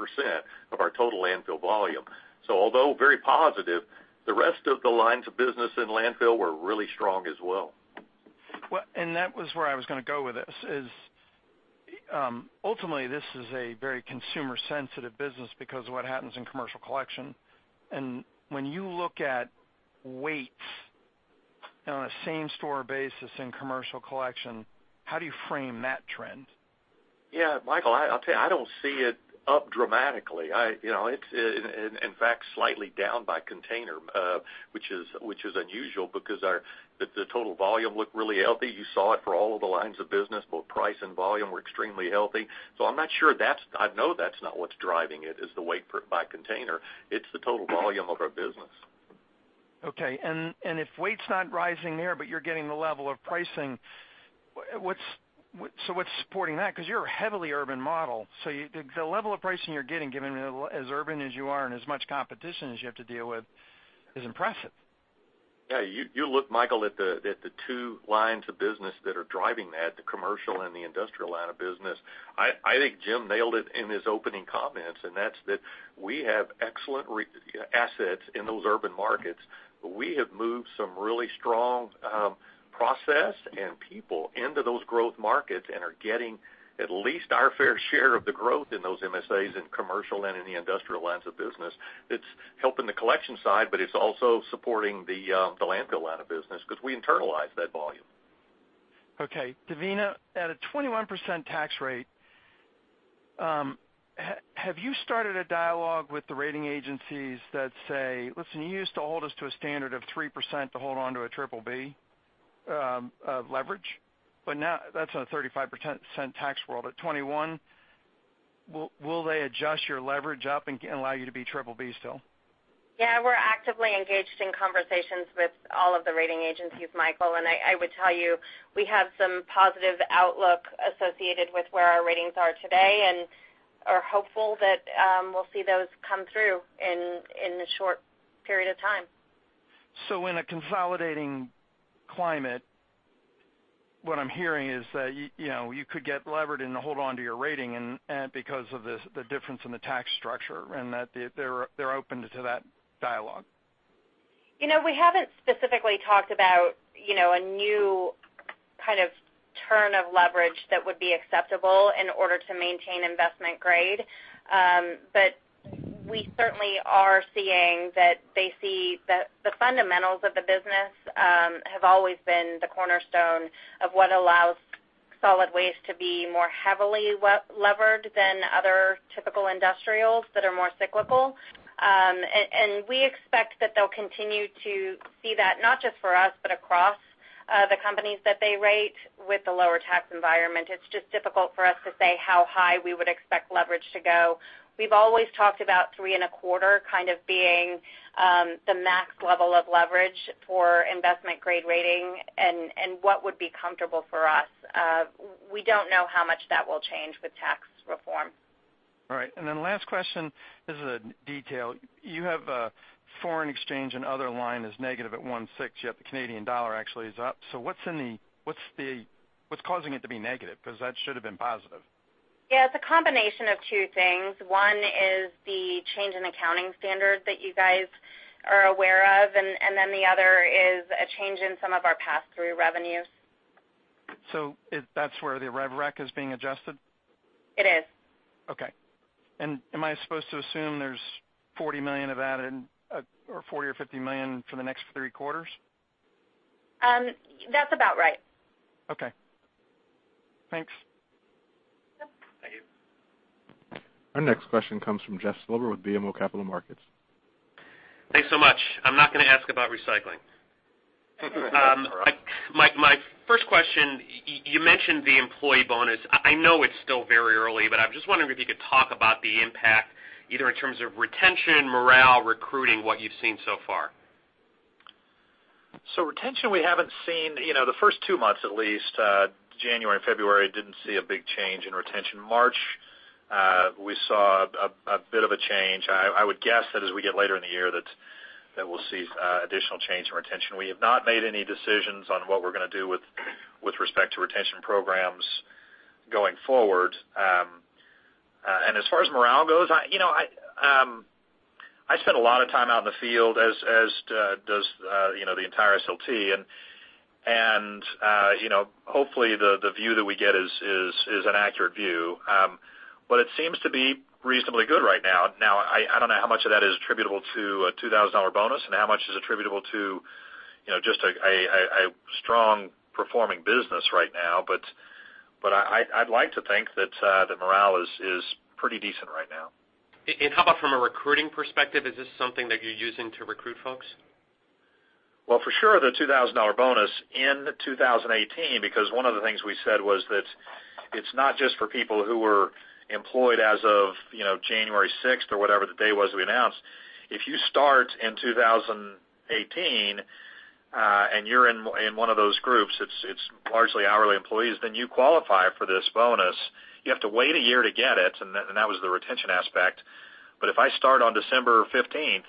of our total landfill volume. Although very positive, the rest of the lines of business in landfill were really strong as well. That was where I was going to go with this is, ultimately, this is a very consumer-sensitive business because of what happens in commercial collection. When you look at weights on a same-store basis in commercial collection, how do you frame that trend? Yeah, Michael, I'll tell you, I don't see it up dramatically. In fact, slightly down by container, which is unusual because the total volume looked really healthy. You saw it for all of the lines of business. Both price and volume were extremely healthy. I know that's not what's driving it, is the weight by container. It's the total volume of our business. Okay. If weight's not rising there, but you're getting the level of pricing, so what's supporting that? You're a heavily urban model, so the level of pricing you're getting, given as urban as you are and as much competition as you have to deal with, is impressive. Yeah. You look, Michael, at the two lines of business that are driving that, the commercial and the industrial line of business. I think Jim nailed it in his opening comments, and that's that we have excellent assets in those urban markets. We have moved some really strong process and people into those growth markets and are getting at least our fair share of the growth in those MSAs in commercial and in the industrial lines of business. It's helping the collection side, but it's also supporting the landfill line of business because we internalize that volume. Devina, at a 21% tax rate, have you started a dialogue with the rating agencies that say, "Listen, you used to hold us to a standard of 3% to hold onto a triple B of leverage," but now that's on a 35% tax world. At 21, will they adjust your leverage up and allow you to be triple B still? Yeah, we're actively engaged in conversations with all of the rating agencies, Michael. I would tell you, we have some positive outlook associated with where our ratings are today and are hopeful that we'll see those come through in the short period of time. In a consolidating climate, what I'm hearing is that you could get levered and hold onto your rating, because of the difference in the tax structure, and that they're open to that dialogue. We haven't specifically talked about a new kind of turn of leverage that would be acceptable in order to maintain investment grade. We certainly are seeing that they see that the fundamentals of the business have always been the cornerstone of what allows solid waste to be more heavily levered than other typical industrials that are more cyclical. We expect that they'll continue to see that, not just for us, but across the companies that they rate with the lower tax environment. It's just difficult for us to say how high we would expect leverage to go. We've always talked about three and a quarter kind of being the max level of leverage for investment grade rating and what would be comfortable for us. We don't know how much that will change with tax reform. Last question, this is a detail. You have a foreign exchange and other line is negative at $16, yet the Canadian dollar actually is up. What's causing it to be negative? That should have been positive. Yeah. It's a combination of two things. One is the change in accounting standard that you guys are aware of, the other is a change in some of our pass-through revenues. That's where the rev rec is being adjusted? It is. Okay. Am I supposed to assume there's $40 million of added or $40 or $50 million for the next three quarters? That's about right. Okay. Thanks. Yeah. Thank you. Our next question comes from Jeff Silber with BMO Capital Markets. Thanks so much. I'm not going to ask about recycling. All right. My first question, you mentioned the employee bonus. I know it's still very early, I'm just wondering if you could talk about the impact, either in terms of retention, morale, recruiting, what you've seen so far. Retention, we haven't seen the first two months at least, January and February didn't see a big change in retention. March, we saw a bit of a change. I would guess that as we get later in the year that we'll see additional change in retention. We have not made any decisions on what we're going to do with respect to retention programs going forward. As far as morale goes, I spend a lot of time out in the field, as does the entire SLT, and hopefully the view that we get is an accurate view. It seems to be reasonably good right now. I don't know how much of that is attributable to a $2,000 bonus and how much is attributable to just a strong performing business right now, but I'd like to think that morale is pretty decent right now. How about from a recruiting perspective? Is this something that you're using to recruit folks? Well, for sure the $2,000 bonus in 2018, because one of the things we said was that it's not just for people who were employed as of January 6th or whatever the day was we announced. If you start in 2018, and you're in one of those groups, it's largely hourly employees, then you qualify for this bonus. You have to wait a year to get it, and that was the retention aspect. If I start on December 15th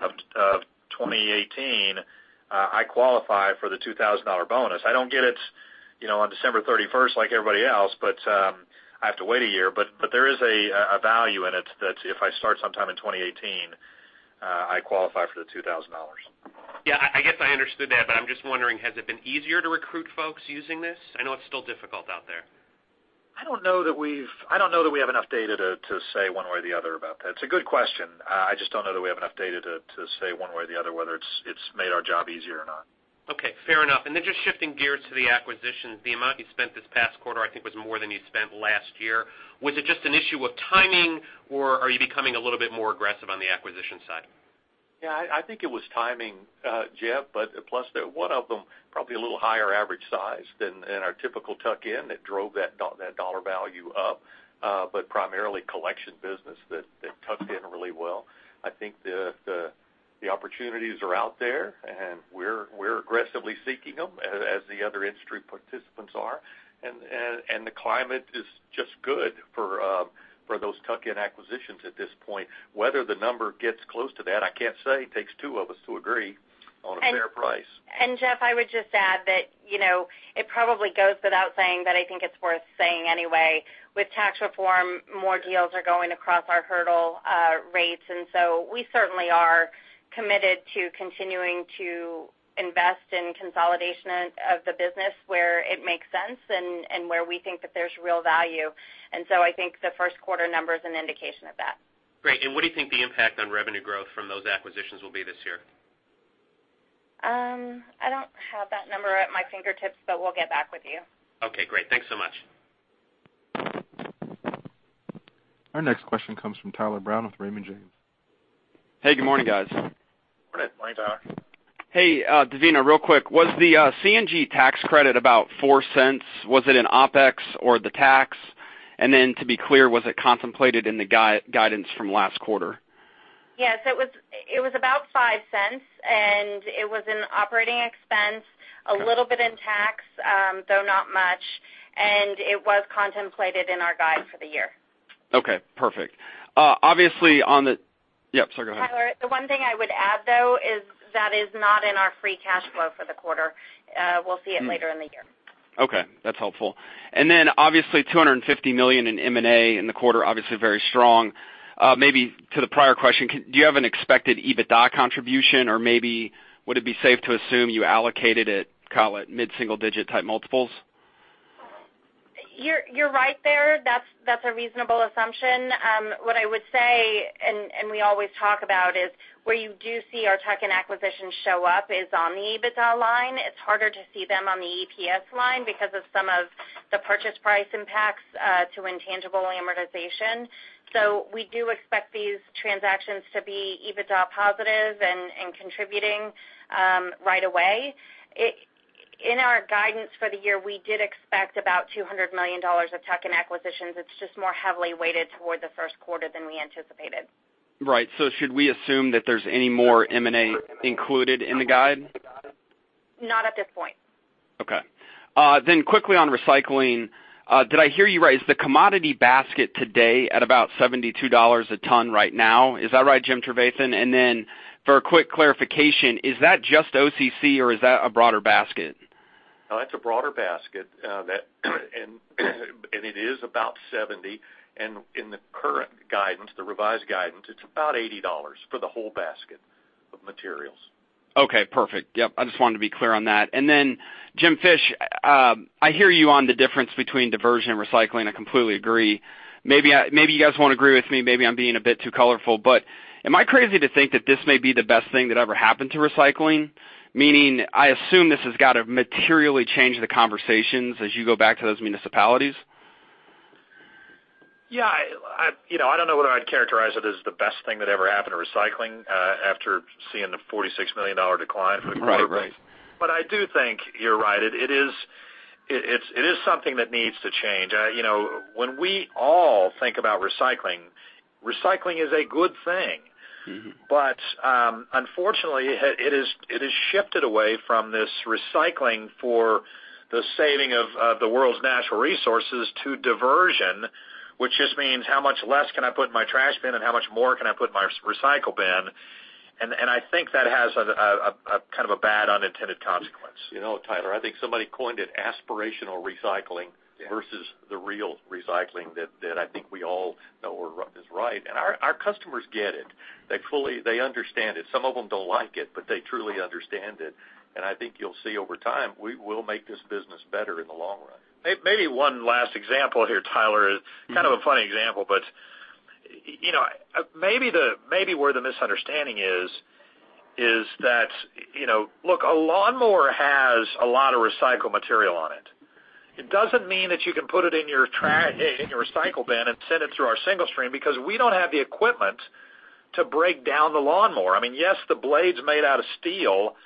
of 2018, I qualify for the $2,000 bonus. I don't get it on December 31st like everybody else, but I have to wait a year. There is a value in it that if I start sometime in 2018, I qualify for the $2,000. Yeah, I guess I understood that, but I'm just wondering, has it been easier to recruit folks using this? I know it's still difficult out there. I don't know that we have enough data to say one way or the other about that. It's a good question. I just don't know that we have enough data to say one way or the other whether it's made our job easier or not. Okay. Fair enough. Then just shifting gears to the acquisitions, the amount you spent this past quarter, I think was more than you spent last year. Was it just an issue of timing, or are you becoming a little bit more aggressive on the acquisition side? Yeah, I think it was timing, Jeff, plus one of them probably a little higher average size than our typical tuck-in that drove that dollar value up. Primarily collection business that tucked in really well. I think the opportunities are out there, and we're aggressively seeking them as the other industry participants are. The climate is just good for those tuck-in acquisitions at this point. Whether the number gets close to that, I can't say. It takes two of us to agree on a fair price. Jeff, I would just add that it probably goes without saying, but I think it's worth saying anyway, with tax reform, more deals are going across our hurdle rates, so we certainly are committed to continuing to invest in consolidation of the business where it makes sense and where we think that there's real value. So I think the first quarter number is an indication of that. Great. What do you think the impact on revenue growth from those acquisitions will be this year? I don't have that number at my fingertips, but we'll get back with you. Okay, great. Thanks so much. Our next question comes from Tyler Brown with Raymond James. Hey, good morning, guys. Morning. Morning, Tyler. Hey, Devina, real quick. Was the CNG tax credit about $0.04? Was it in OpEx or the tax? Then to be clear, was it contemplated in the guidance from last quarter? Yes, it was about $0.05, and it was in operating expense, a little bit in tax, though not much, and it was contemplated in our guide for the year. Okay, perfect. Sorry, go ahead. Tyler, the one thing I would add, though, is that is not in our free cash flow for the quarter. We'll see it later in the year. Okay, that's helpful. Obviously, $250 million in M&A in the quarter, obviously very strong. Maybe to the prior question, do you have an expected EBITDA contribution or maybe would it be safe to assume you allocated it, call it, mid-single digit type multiples? You're right there. That's a reasonable assumption. What I would say, and we always talk about, is where you do see our tuck-in acquisitions show up is on the EBITDA line. It's harder to see them on the EPS line because of some of the purchase price impacts to intangible amortization. We do expect these transactions to be EBITDA positive and contributing right away. In our guidance for the year, we did expect about $200 million of tuck-in acquisitions. It's just more heavily weighted toward the first quarter than we anticipated. Right. Should we assume that there's any more M&A included in the guide? Not at this point. Okay. Quickly on recycling. Did I hear you right? Is the commodity basket today at about $72 a ton right now? Is that right, Jim Trevathan? For a quick clarification, is that just OCC or is that a broader basket? No, it's a broader basket, and it is about $70. In the current guidance, the revised guidance, it's about $80 for the whole basket of materials. Okay, perfect. Yep, I just wanted to be clear on that. Jim Fish, I hear you on the difference between diversion and recycling. I completely agree. Maybe you guys won't agree with me. Maybe I'm being a bit too colorful, but am I crazy to think that this may be the best thing that ever happened to recycling? Meaning, I assume this has got to materially change the conversations as you go back to those municipalities. Yeah. I don't know whether I'd characterize it as the best thing that ever happened to recycling after seeing the $46 million decline for the quarter. Right. I do think you're right. It is something that needs to change. When we all think about recycling is a good thing. Unfortunately, it has shifted away from this recycling for the saving of the world's natural resources to diversion, which just means how much less can I put in my trash bin and how much more can I put in my recycle bin? I think that has a kind of a bad unintended consequence. You know, Tyler, I think somebody coined it aspirational recycling. Yeah versus the real recycling that I think we all know is right. Our customers get it. They understand it. Some of them don't like it, but they truly understand it, and I think you'll see over time, we'll make this business better in the long run. Maybe one last example here, Tyler. Kind of a funny example, but maybe where the misunderstanding is that Look, a lawnmower has a lot of recycled material on it. It doesn't mean that you can put it in your recycle bin and send it through our single stream because we don't have the equipment to break down the lawnmower. Yes, the blade's made out of steel,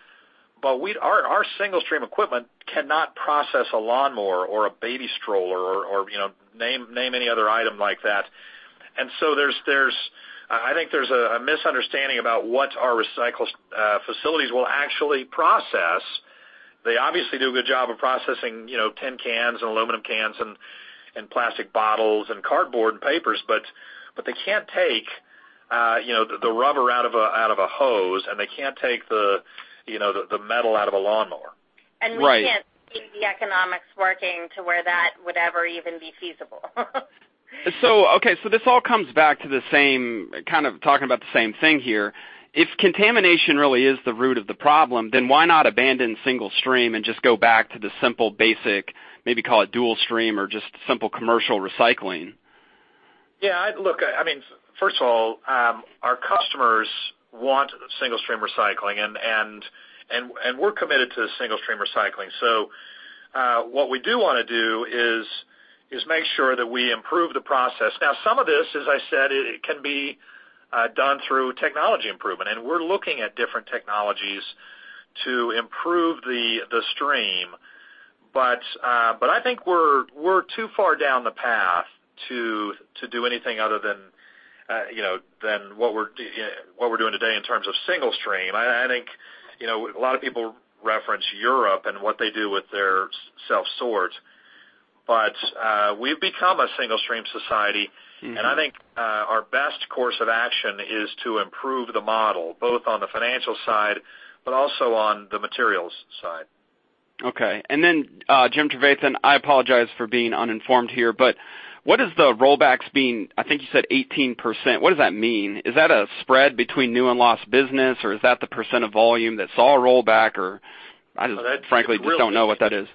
but our single-stream equipment cannot process a lawnmower or a baby stroller or name any other item like that. I think there's a misunderstanding about what our recycle facilities will actually process. They obviously do a good job of processing tin cans and aluminum cans and plastic bottles and cardboard and papers. They can't take the rubber out of a hose, and they can't take the metal out of a lawnmower. we can't- Right see the economics working to where that would ever even be feasible. Okay. This all comes back to talking about the same thing here. If contamination really is the root of the problem, then why not abandon single stream and just go back to the simple basic, maybe call it dual stream or just simple commercial recycling? Yeah, look, first of all, our customers want single-stream recycling, and we're committed to single-stream recycling. What we do want to do is make sure that we improve the process. Now, some of this, as I said, can be done through technology improvement, and we're looking at different technologies to improve the stream. I think we're too far down the path to do anything other than what we're doing today in terms of single stream. I think a lot of people reference Europe and what they do with their self-sort. We've become a single-stream society- I think our best course of action is to improve the model, both on the financial side, but also on the materials side. Okay. Jim Trevathan, I apologize for being uninformed here, but what is the rollbacks being, I think you said 18%. What does that mean? Is that a spread between new and lost business, or is that the % of volume that saw a rollback, or I just frankly don't know what that is.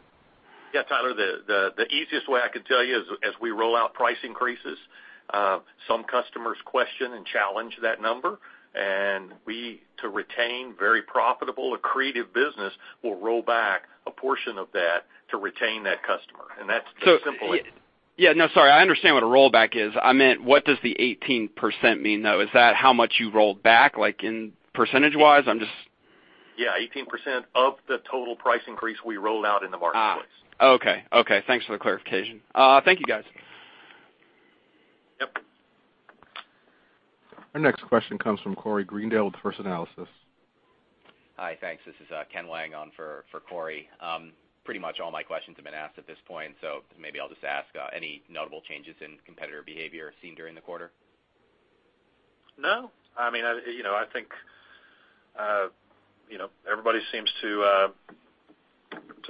Tyler, the easiest way I could tell you is as we roll out price increases, some customers question and challenge that number, and we, to retain very profitable accretive business, will roll back a portion of that to retain that customer. That's the simple way. No, sorry. I understand what a rollback is. I meant what does the 18% mean, though? Is that how much you rolled back, like in percentage-wise? Yeah, 18% of the total price increase we rolled out in the marketplace. Okay. Thanks for the clarification. Thank you, guys. Yep. Our next question comes from Corey Greendale with First Analysis. Hi. Thanks. This is Ken Lang on for Corey. Pretty much all my questions have been asked at this point, so maybe I'll just ask, any notable changes in competitor behavior seen during the quarter? No. I think everybody seems to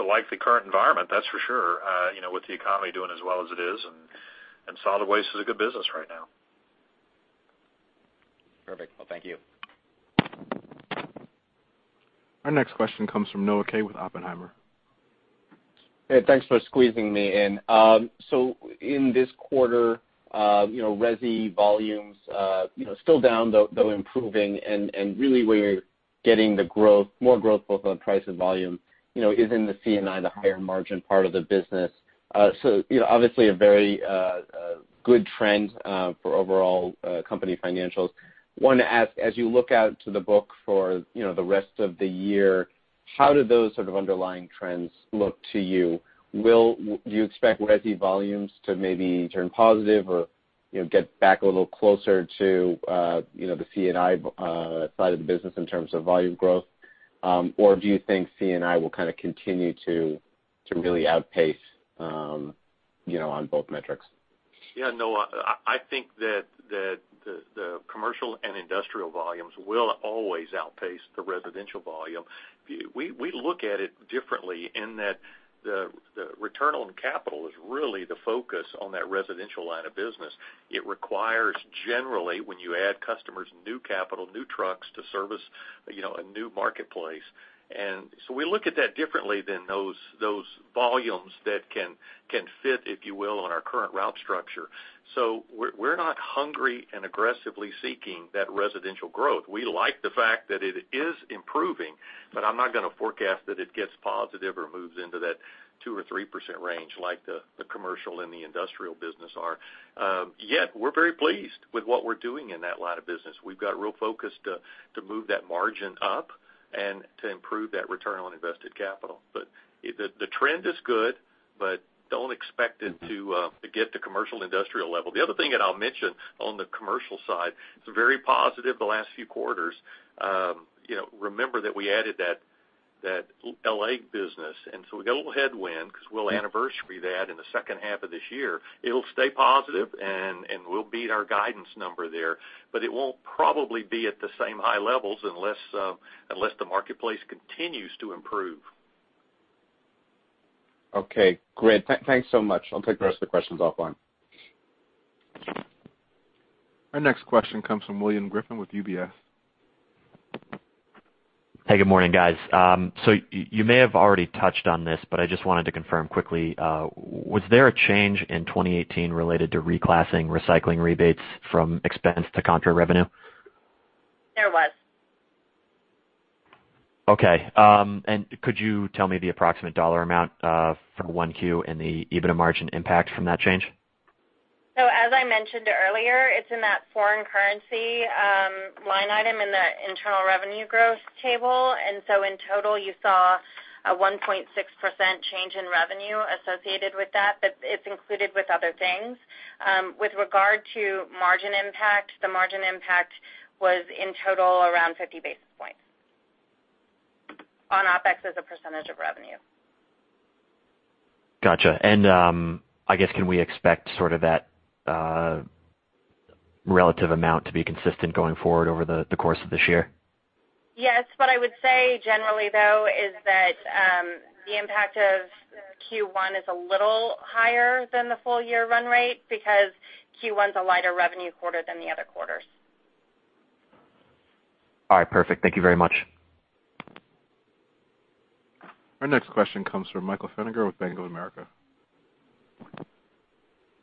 like the current environment, that's for sure, with the economy doing as well as it is, and solid waste is a good business right now. Perfect. Well, thank you. Our next question comes from Noah Kaye with Oppenheimer. Hey, thanks for squeezing me in. In this quarter, resi volumes, still down, though improving and really where you're getting the more growth both on price and volume, is in the C&I, the higher margin part of the business. Obviously a very good trend for overall company financials. Wanted to ask, as you look out to the book for the rest of the year, how do those sort of underlying trends look to you? Do you expect resi volumes to maybe turn positive or get back a little closer to the C&I side of the business in terms of volume growth? Do you think C&I will kind of continue to really outpace on both metrics? Noah, I think that the commercial and industrial volumes will always outpace the residential volume. We look at it differently in that the return on capital is really the focus on that residential line of business. It requires generally, when you add customers, new capital, new trucks to service a new marketplace. We look at that differently than those volumes that can fit, if you will, on our current route structure. We're not hungry and aggressively seeking that residential growth. We like the fact that it is improving, but I'm not going to forecast that it gets positive or moves into that 2% or 3% range like the commercial and the industrial business are. We're very pleased with what we're doing in that line of business. We've got a real focus to move that margin up and to improve that return on invested capital. The trend is good. Don't expect it to get to commercial industrial level. The other thing that I'll mention on the commercial side, it's very positive the last few quarters. Remember that we added that L.A. business. We get a little headwind because we'll anniversary that in the second half of this year. It'll stay positive, and we'll beat our guidance number there. It won't probably be at the same high levels unless the marketplace continues to improve. Great. Thanks so much. I'll take the rest of the questions offline. Our next question comes from William Griffin with UBS. Hey, good morning, guys. You may have already touched on this, but I just wanted to confirm quickly. Was there a change in 2018 related to reclassing recycling rebates from expense to contra revenue? There was. Okay. Could you tell me the approximate dollar amount for 1Q and the EBITDA margin impact from that change? As I mentioned earlier, it's in that foreign currency line item in the internal revenue growth table. In total, you saw a 1.6% change in revenue associated with that, but it's included with other things. With regard to margin impact, the margin impact was in total around 50 basis points on OpEx as a percentage of revenue. Got you. I guess, can we expect sort of that relative amount to be consistent going forward over the course of this year? Yes. What I would say generally, though, is that the impact of Q1 is a little higher than the full-year run rate because Q1 is a lighter revenue quarter than the other quarters. All right. Perfect. Thank you very much. Our next question comes from Michael Feniger with Bank of America.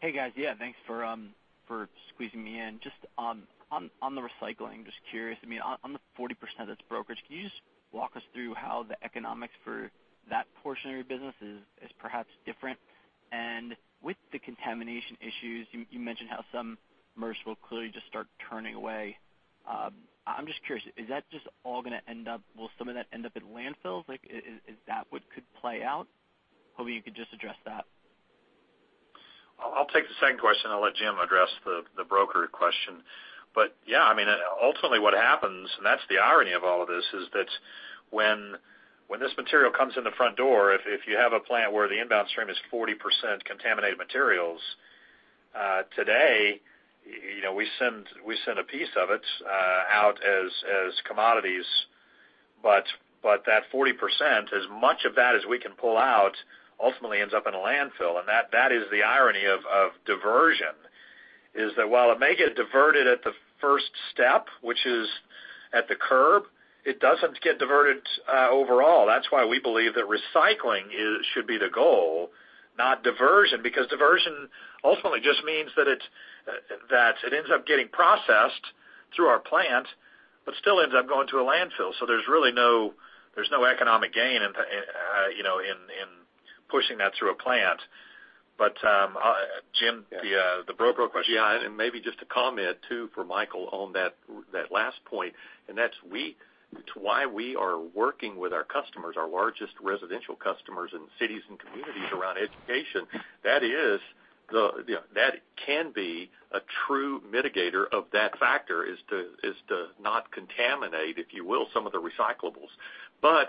Hey, guys. Yeah, thanks for squeezing me in. Just on the recycling, just curious, on the 40% that's brokerage, can you just walk us through how the economics for that portion of your business is perhaps different? With the contamination issues, you mentioned how some merchants will clearly just start turning away. I'm just curious, is that just all going to end up, will some of that end up in landfills? Is that what could play out? Hoping you could just address that. I'll take the second question. I'll let Jim address the brokerage question. Yeah, ultimately what happens, and that's the irony of all of this, is that when this material comes in the front door, if you have a plant where the inbound stream is 40% contaminated materials, today, we send a piece of it out as commodities. That 40%, as much of that as we can pull out, ultimately ends up in a landfill. That is the irony of diversion, is that while it may get diverted at the first step, which is at the curb, it doesn't get diverted overall. That's why we believe that recycling should be the goal, not diversion, because diversion ultimately just means that it ends up getting processed through our plant but still ends up going to a landfill. There's really no economic gain in pushing that through a plant. Jim, the broker question. Maybe just a comment, too, for Michael on that last point. That's why we are working with our customers, our largest residential customers in cities and communities around education. That can be a true mitigator of that factor, is to not contaminate, if you will, some of the recyclables.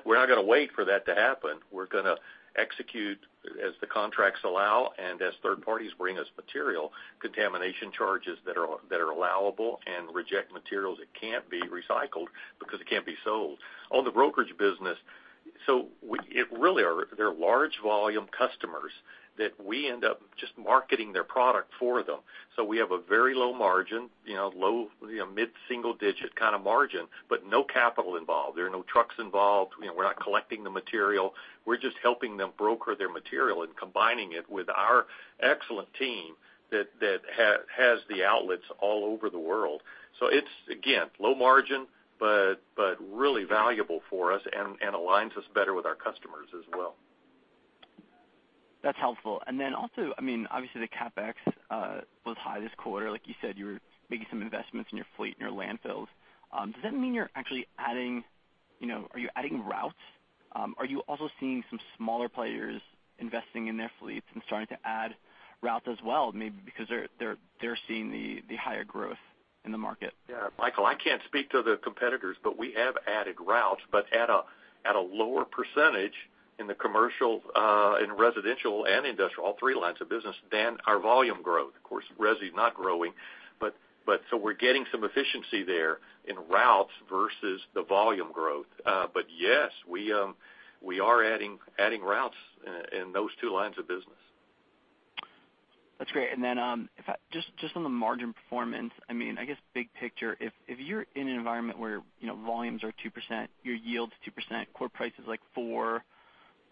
We're not going to wait for that to happen. We're going to execute as the contracts allow and as third parties bring us material, contamination charges that are allowable and reject materials that can't be recycled because it can't be sold. On the brokerage business, they're large volume customers that we end up just marketing their product for them. We have a very low-margin, mid-single-digit kind of margin, but no capital involved. There are no trucks involved. We're not collecting the material. We're just helping them broker their material and combining it with our excellent team that has the outlets all over the world. It's, again, low-margin, but really valuable for us and aligns us better with our customers as well. That's helpful. Obviously, the CapEx was high this quarter. Like you said, you were making some investments in your fleet and your landfills. Does that mean you're actually adding routes? Are you also seeing some smaller players investing in their fleets and starting to add routes as well, maybe because they're seeing the higher growth in the market? Michael, I can't speak to the competitors, but we have added routes, but at a lower % in the commercial, residential, and industrial, all three lines of business, than our volume growth. Of course, resi not growing, we're getting some efficiency there in routes versus the volume growth. Yes, we are adding routes in those two lines of business. That's great. Just on the margin performance, I guess big picture, if you're in an environment where volumes are 2%, your yield is 2%, core price is like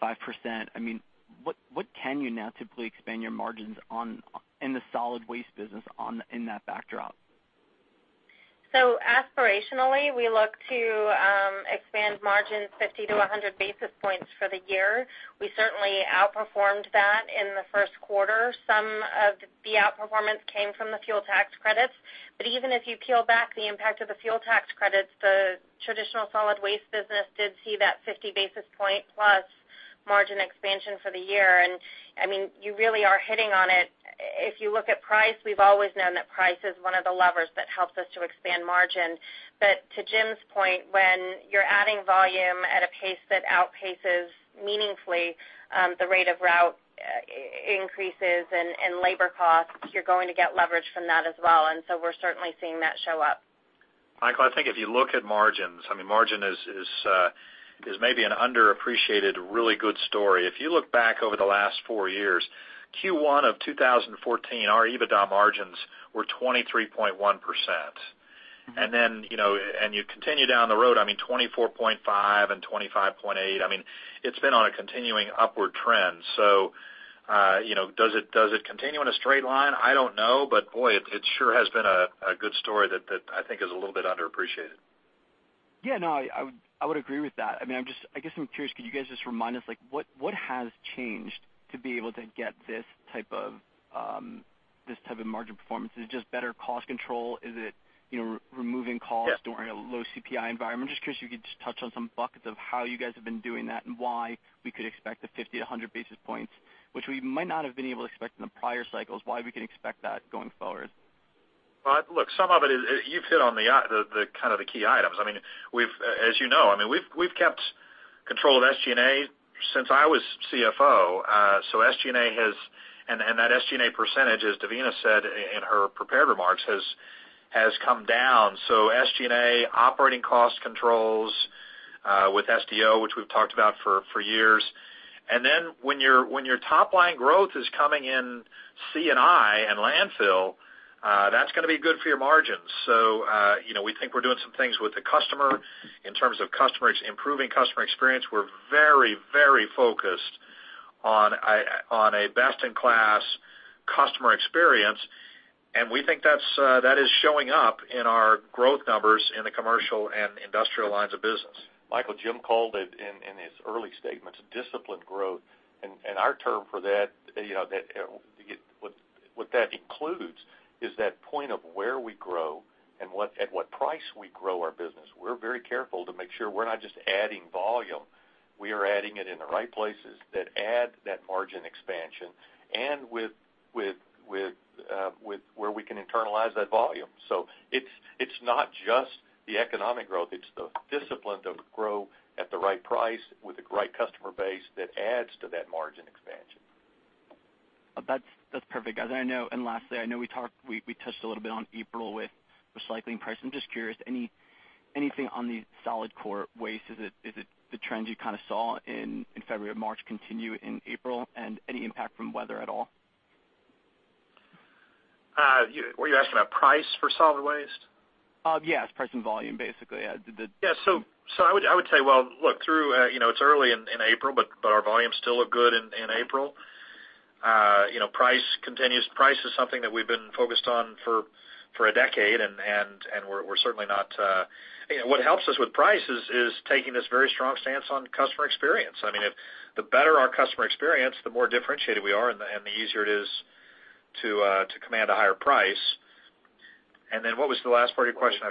4%-5%, what can you now typically expand your margins in the solid waste business in that backdrop? Aspirationally, we look to expand margins 50-100 basis points for the year. We certainly outperformed that in the first quarter. Some of the outperformance came from the fuel tax credits. Even if you peel back the impact of the fuel tax credits, the traditional solid waste business did see that 50 basis point plus margin expansion for the year. You really are hitting on it. If you look at price, we've always known that price is one of the levers that helps us to expand margin. To Jim's point, when you're adding volume at a pace that outpaces meaningfully the rate of route increases and labor costs, you're going to get leverage from that as well. We're certainly seeing that show up. Michael, I think if you look at margins, margin is maybe an underappreciated really good story. If you look back over the last four years, Q1 of 2014, our EBITDA margins were 23.1%. You continue down the road, 24.5% and 25.8%. It's been on a continuing upward trend. Does it continue on a straight line? I don't know, but boy, it sure has been a good story that I think is a little bit underappreciated. Yeah, no, I would agree with that. I guess I'm curious, could you guys just remind us, what has changed to be able to get this type of margin performance? Is it just better cost control? Is it removing costs- Yeah during a low CPI environment? I'm just curious if you could just touch on some buckets of how you guys have been doing that and why we could expect a 50 to 100 basis points, which we might not have been able to expect in the prior cycles, why we can expect that going forward. Look, you've hit on the key items. As you know, we've kept control of SG&A since I was CFO. That SG&A percentage, as Devina said in her prepared remarks, has come down. SG&A, operating cost controls with SG&A, which we've talked about for years. When your top line growth is coming in C&I and landfill, that's going to be good for your margins. We think we're doing some things with the customer in terms of improving customer experience. We're very, very focused on a best-in-class customer experience, and we think that is showing up in our growth numbers in the commercial and industrial lines of business. Michael, Jim called it in his early statements, disciplined growth. Our term for that, what that includes is that point of where we grow and at what price we grow our business. We're very careful to make sure we're not just adding volume. We are adding it in the right places that add that margin expansion and where we can internalize that volume. It's not just the economic growth, it's the discipline to grow at the right price with the right customer base that adds to that margin expansion. That's perfect, guys. Lastly, I know we touched a little bit on April with recycling prices. I'm just curious, anything on the solid core waste? Is it the trends you saw in February and March continue in April? Any impact from weather at all? Were you asking about price for solid waste? Yes, price and volume, basically, yeah. Yeah. I would say, well, look, it's early in April, but our volumes still look good in April. Price is something that we've been focused on for a decade. What helps us with price is taking this very strong stance on customer experience. The better our customer experience, the more differentiated we are and the easier it is to command a higher price. What was the last part of your question?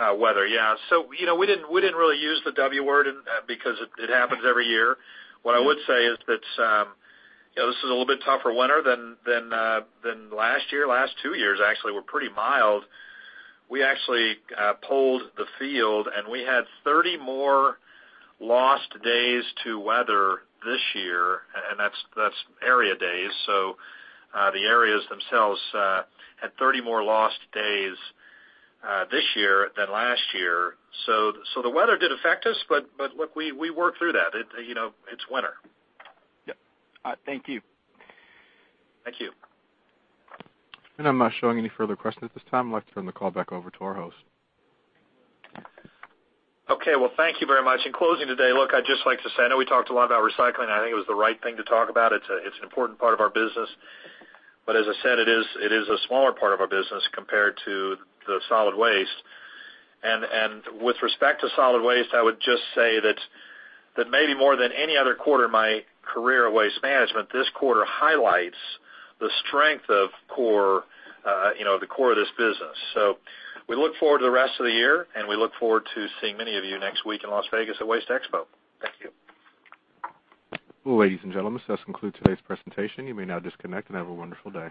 Weather. Weather, yeah. We didn't really use the W word because it happens every year. What I would say is that this is a little bit tougher winter than last year. Last two years, actually, were pretty mild. We actually polled the field, and we had 30 more lost days to weather this year, and that's area days. The areas themselves had 30 more lost days this year than last year. The weather did affect us, but look, we worked through that. It's winter. Yep. All right, thank you. Thank you. I'm not showing any further questions at this time. I'd like to turn the call back over to our host. Okay. Well, thank you very much. In closing today, look, I'd just like to say, I know we talked a lot about recycling, and I think it was the right thing to talk about. It's an important part of our business. As I said, it is a smaller part of our business compared to the solid waste. With respect to solid waste, I would just say that maybe more than any other quarter in my career at Waste Management, this quarter highlights the strength of the core of this business. We look forward to the rest of the year, and we look forward to seeing many of you next week in Las Vegas at WasteExpo. Thank you. Ladies and gentlemen, this concludes today's presentation. You may now disconnect, have a wonderful day.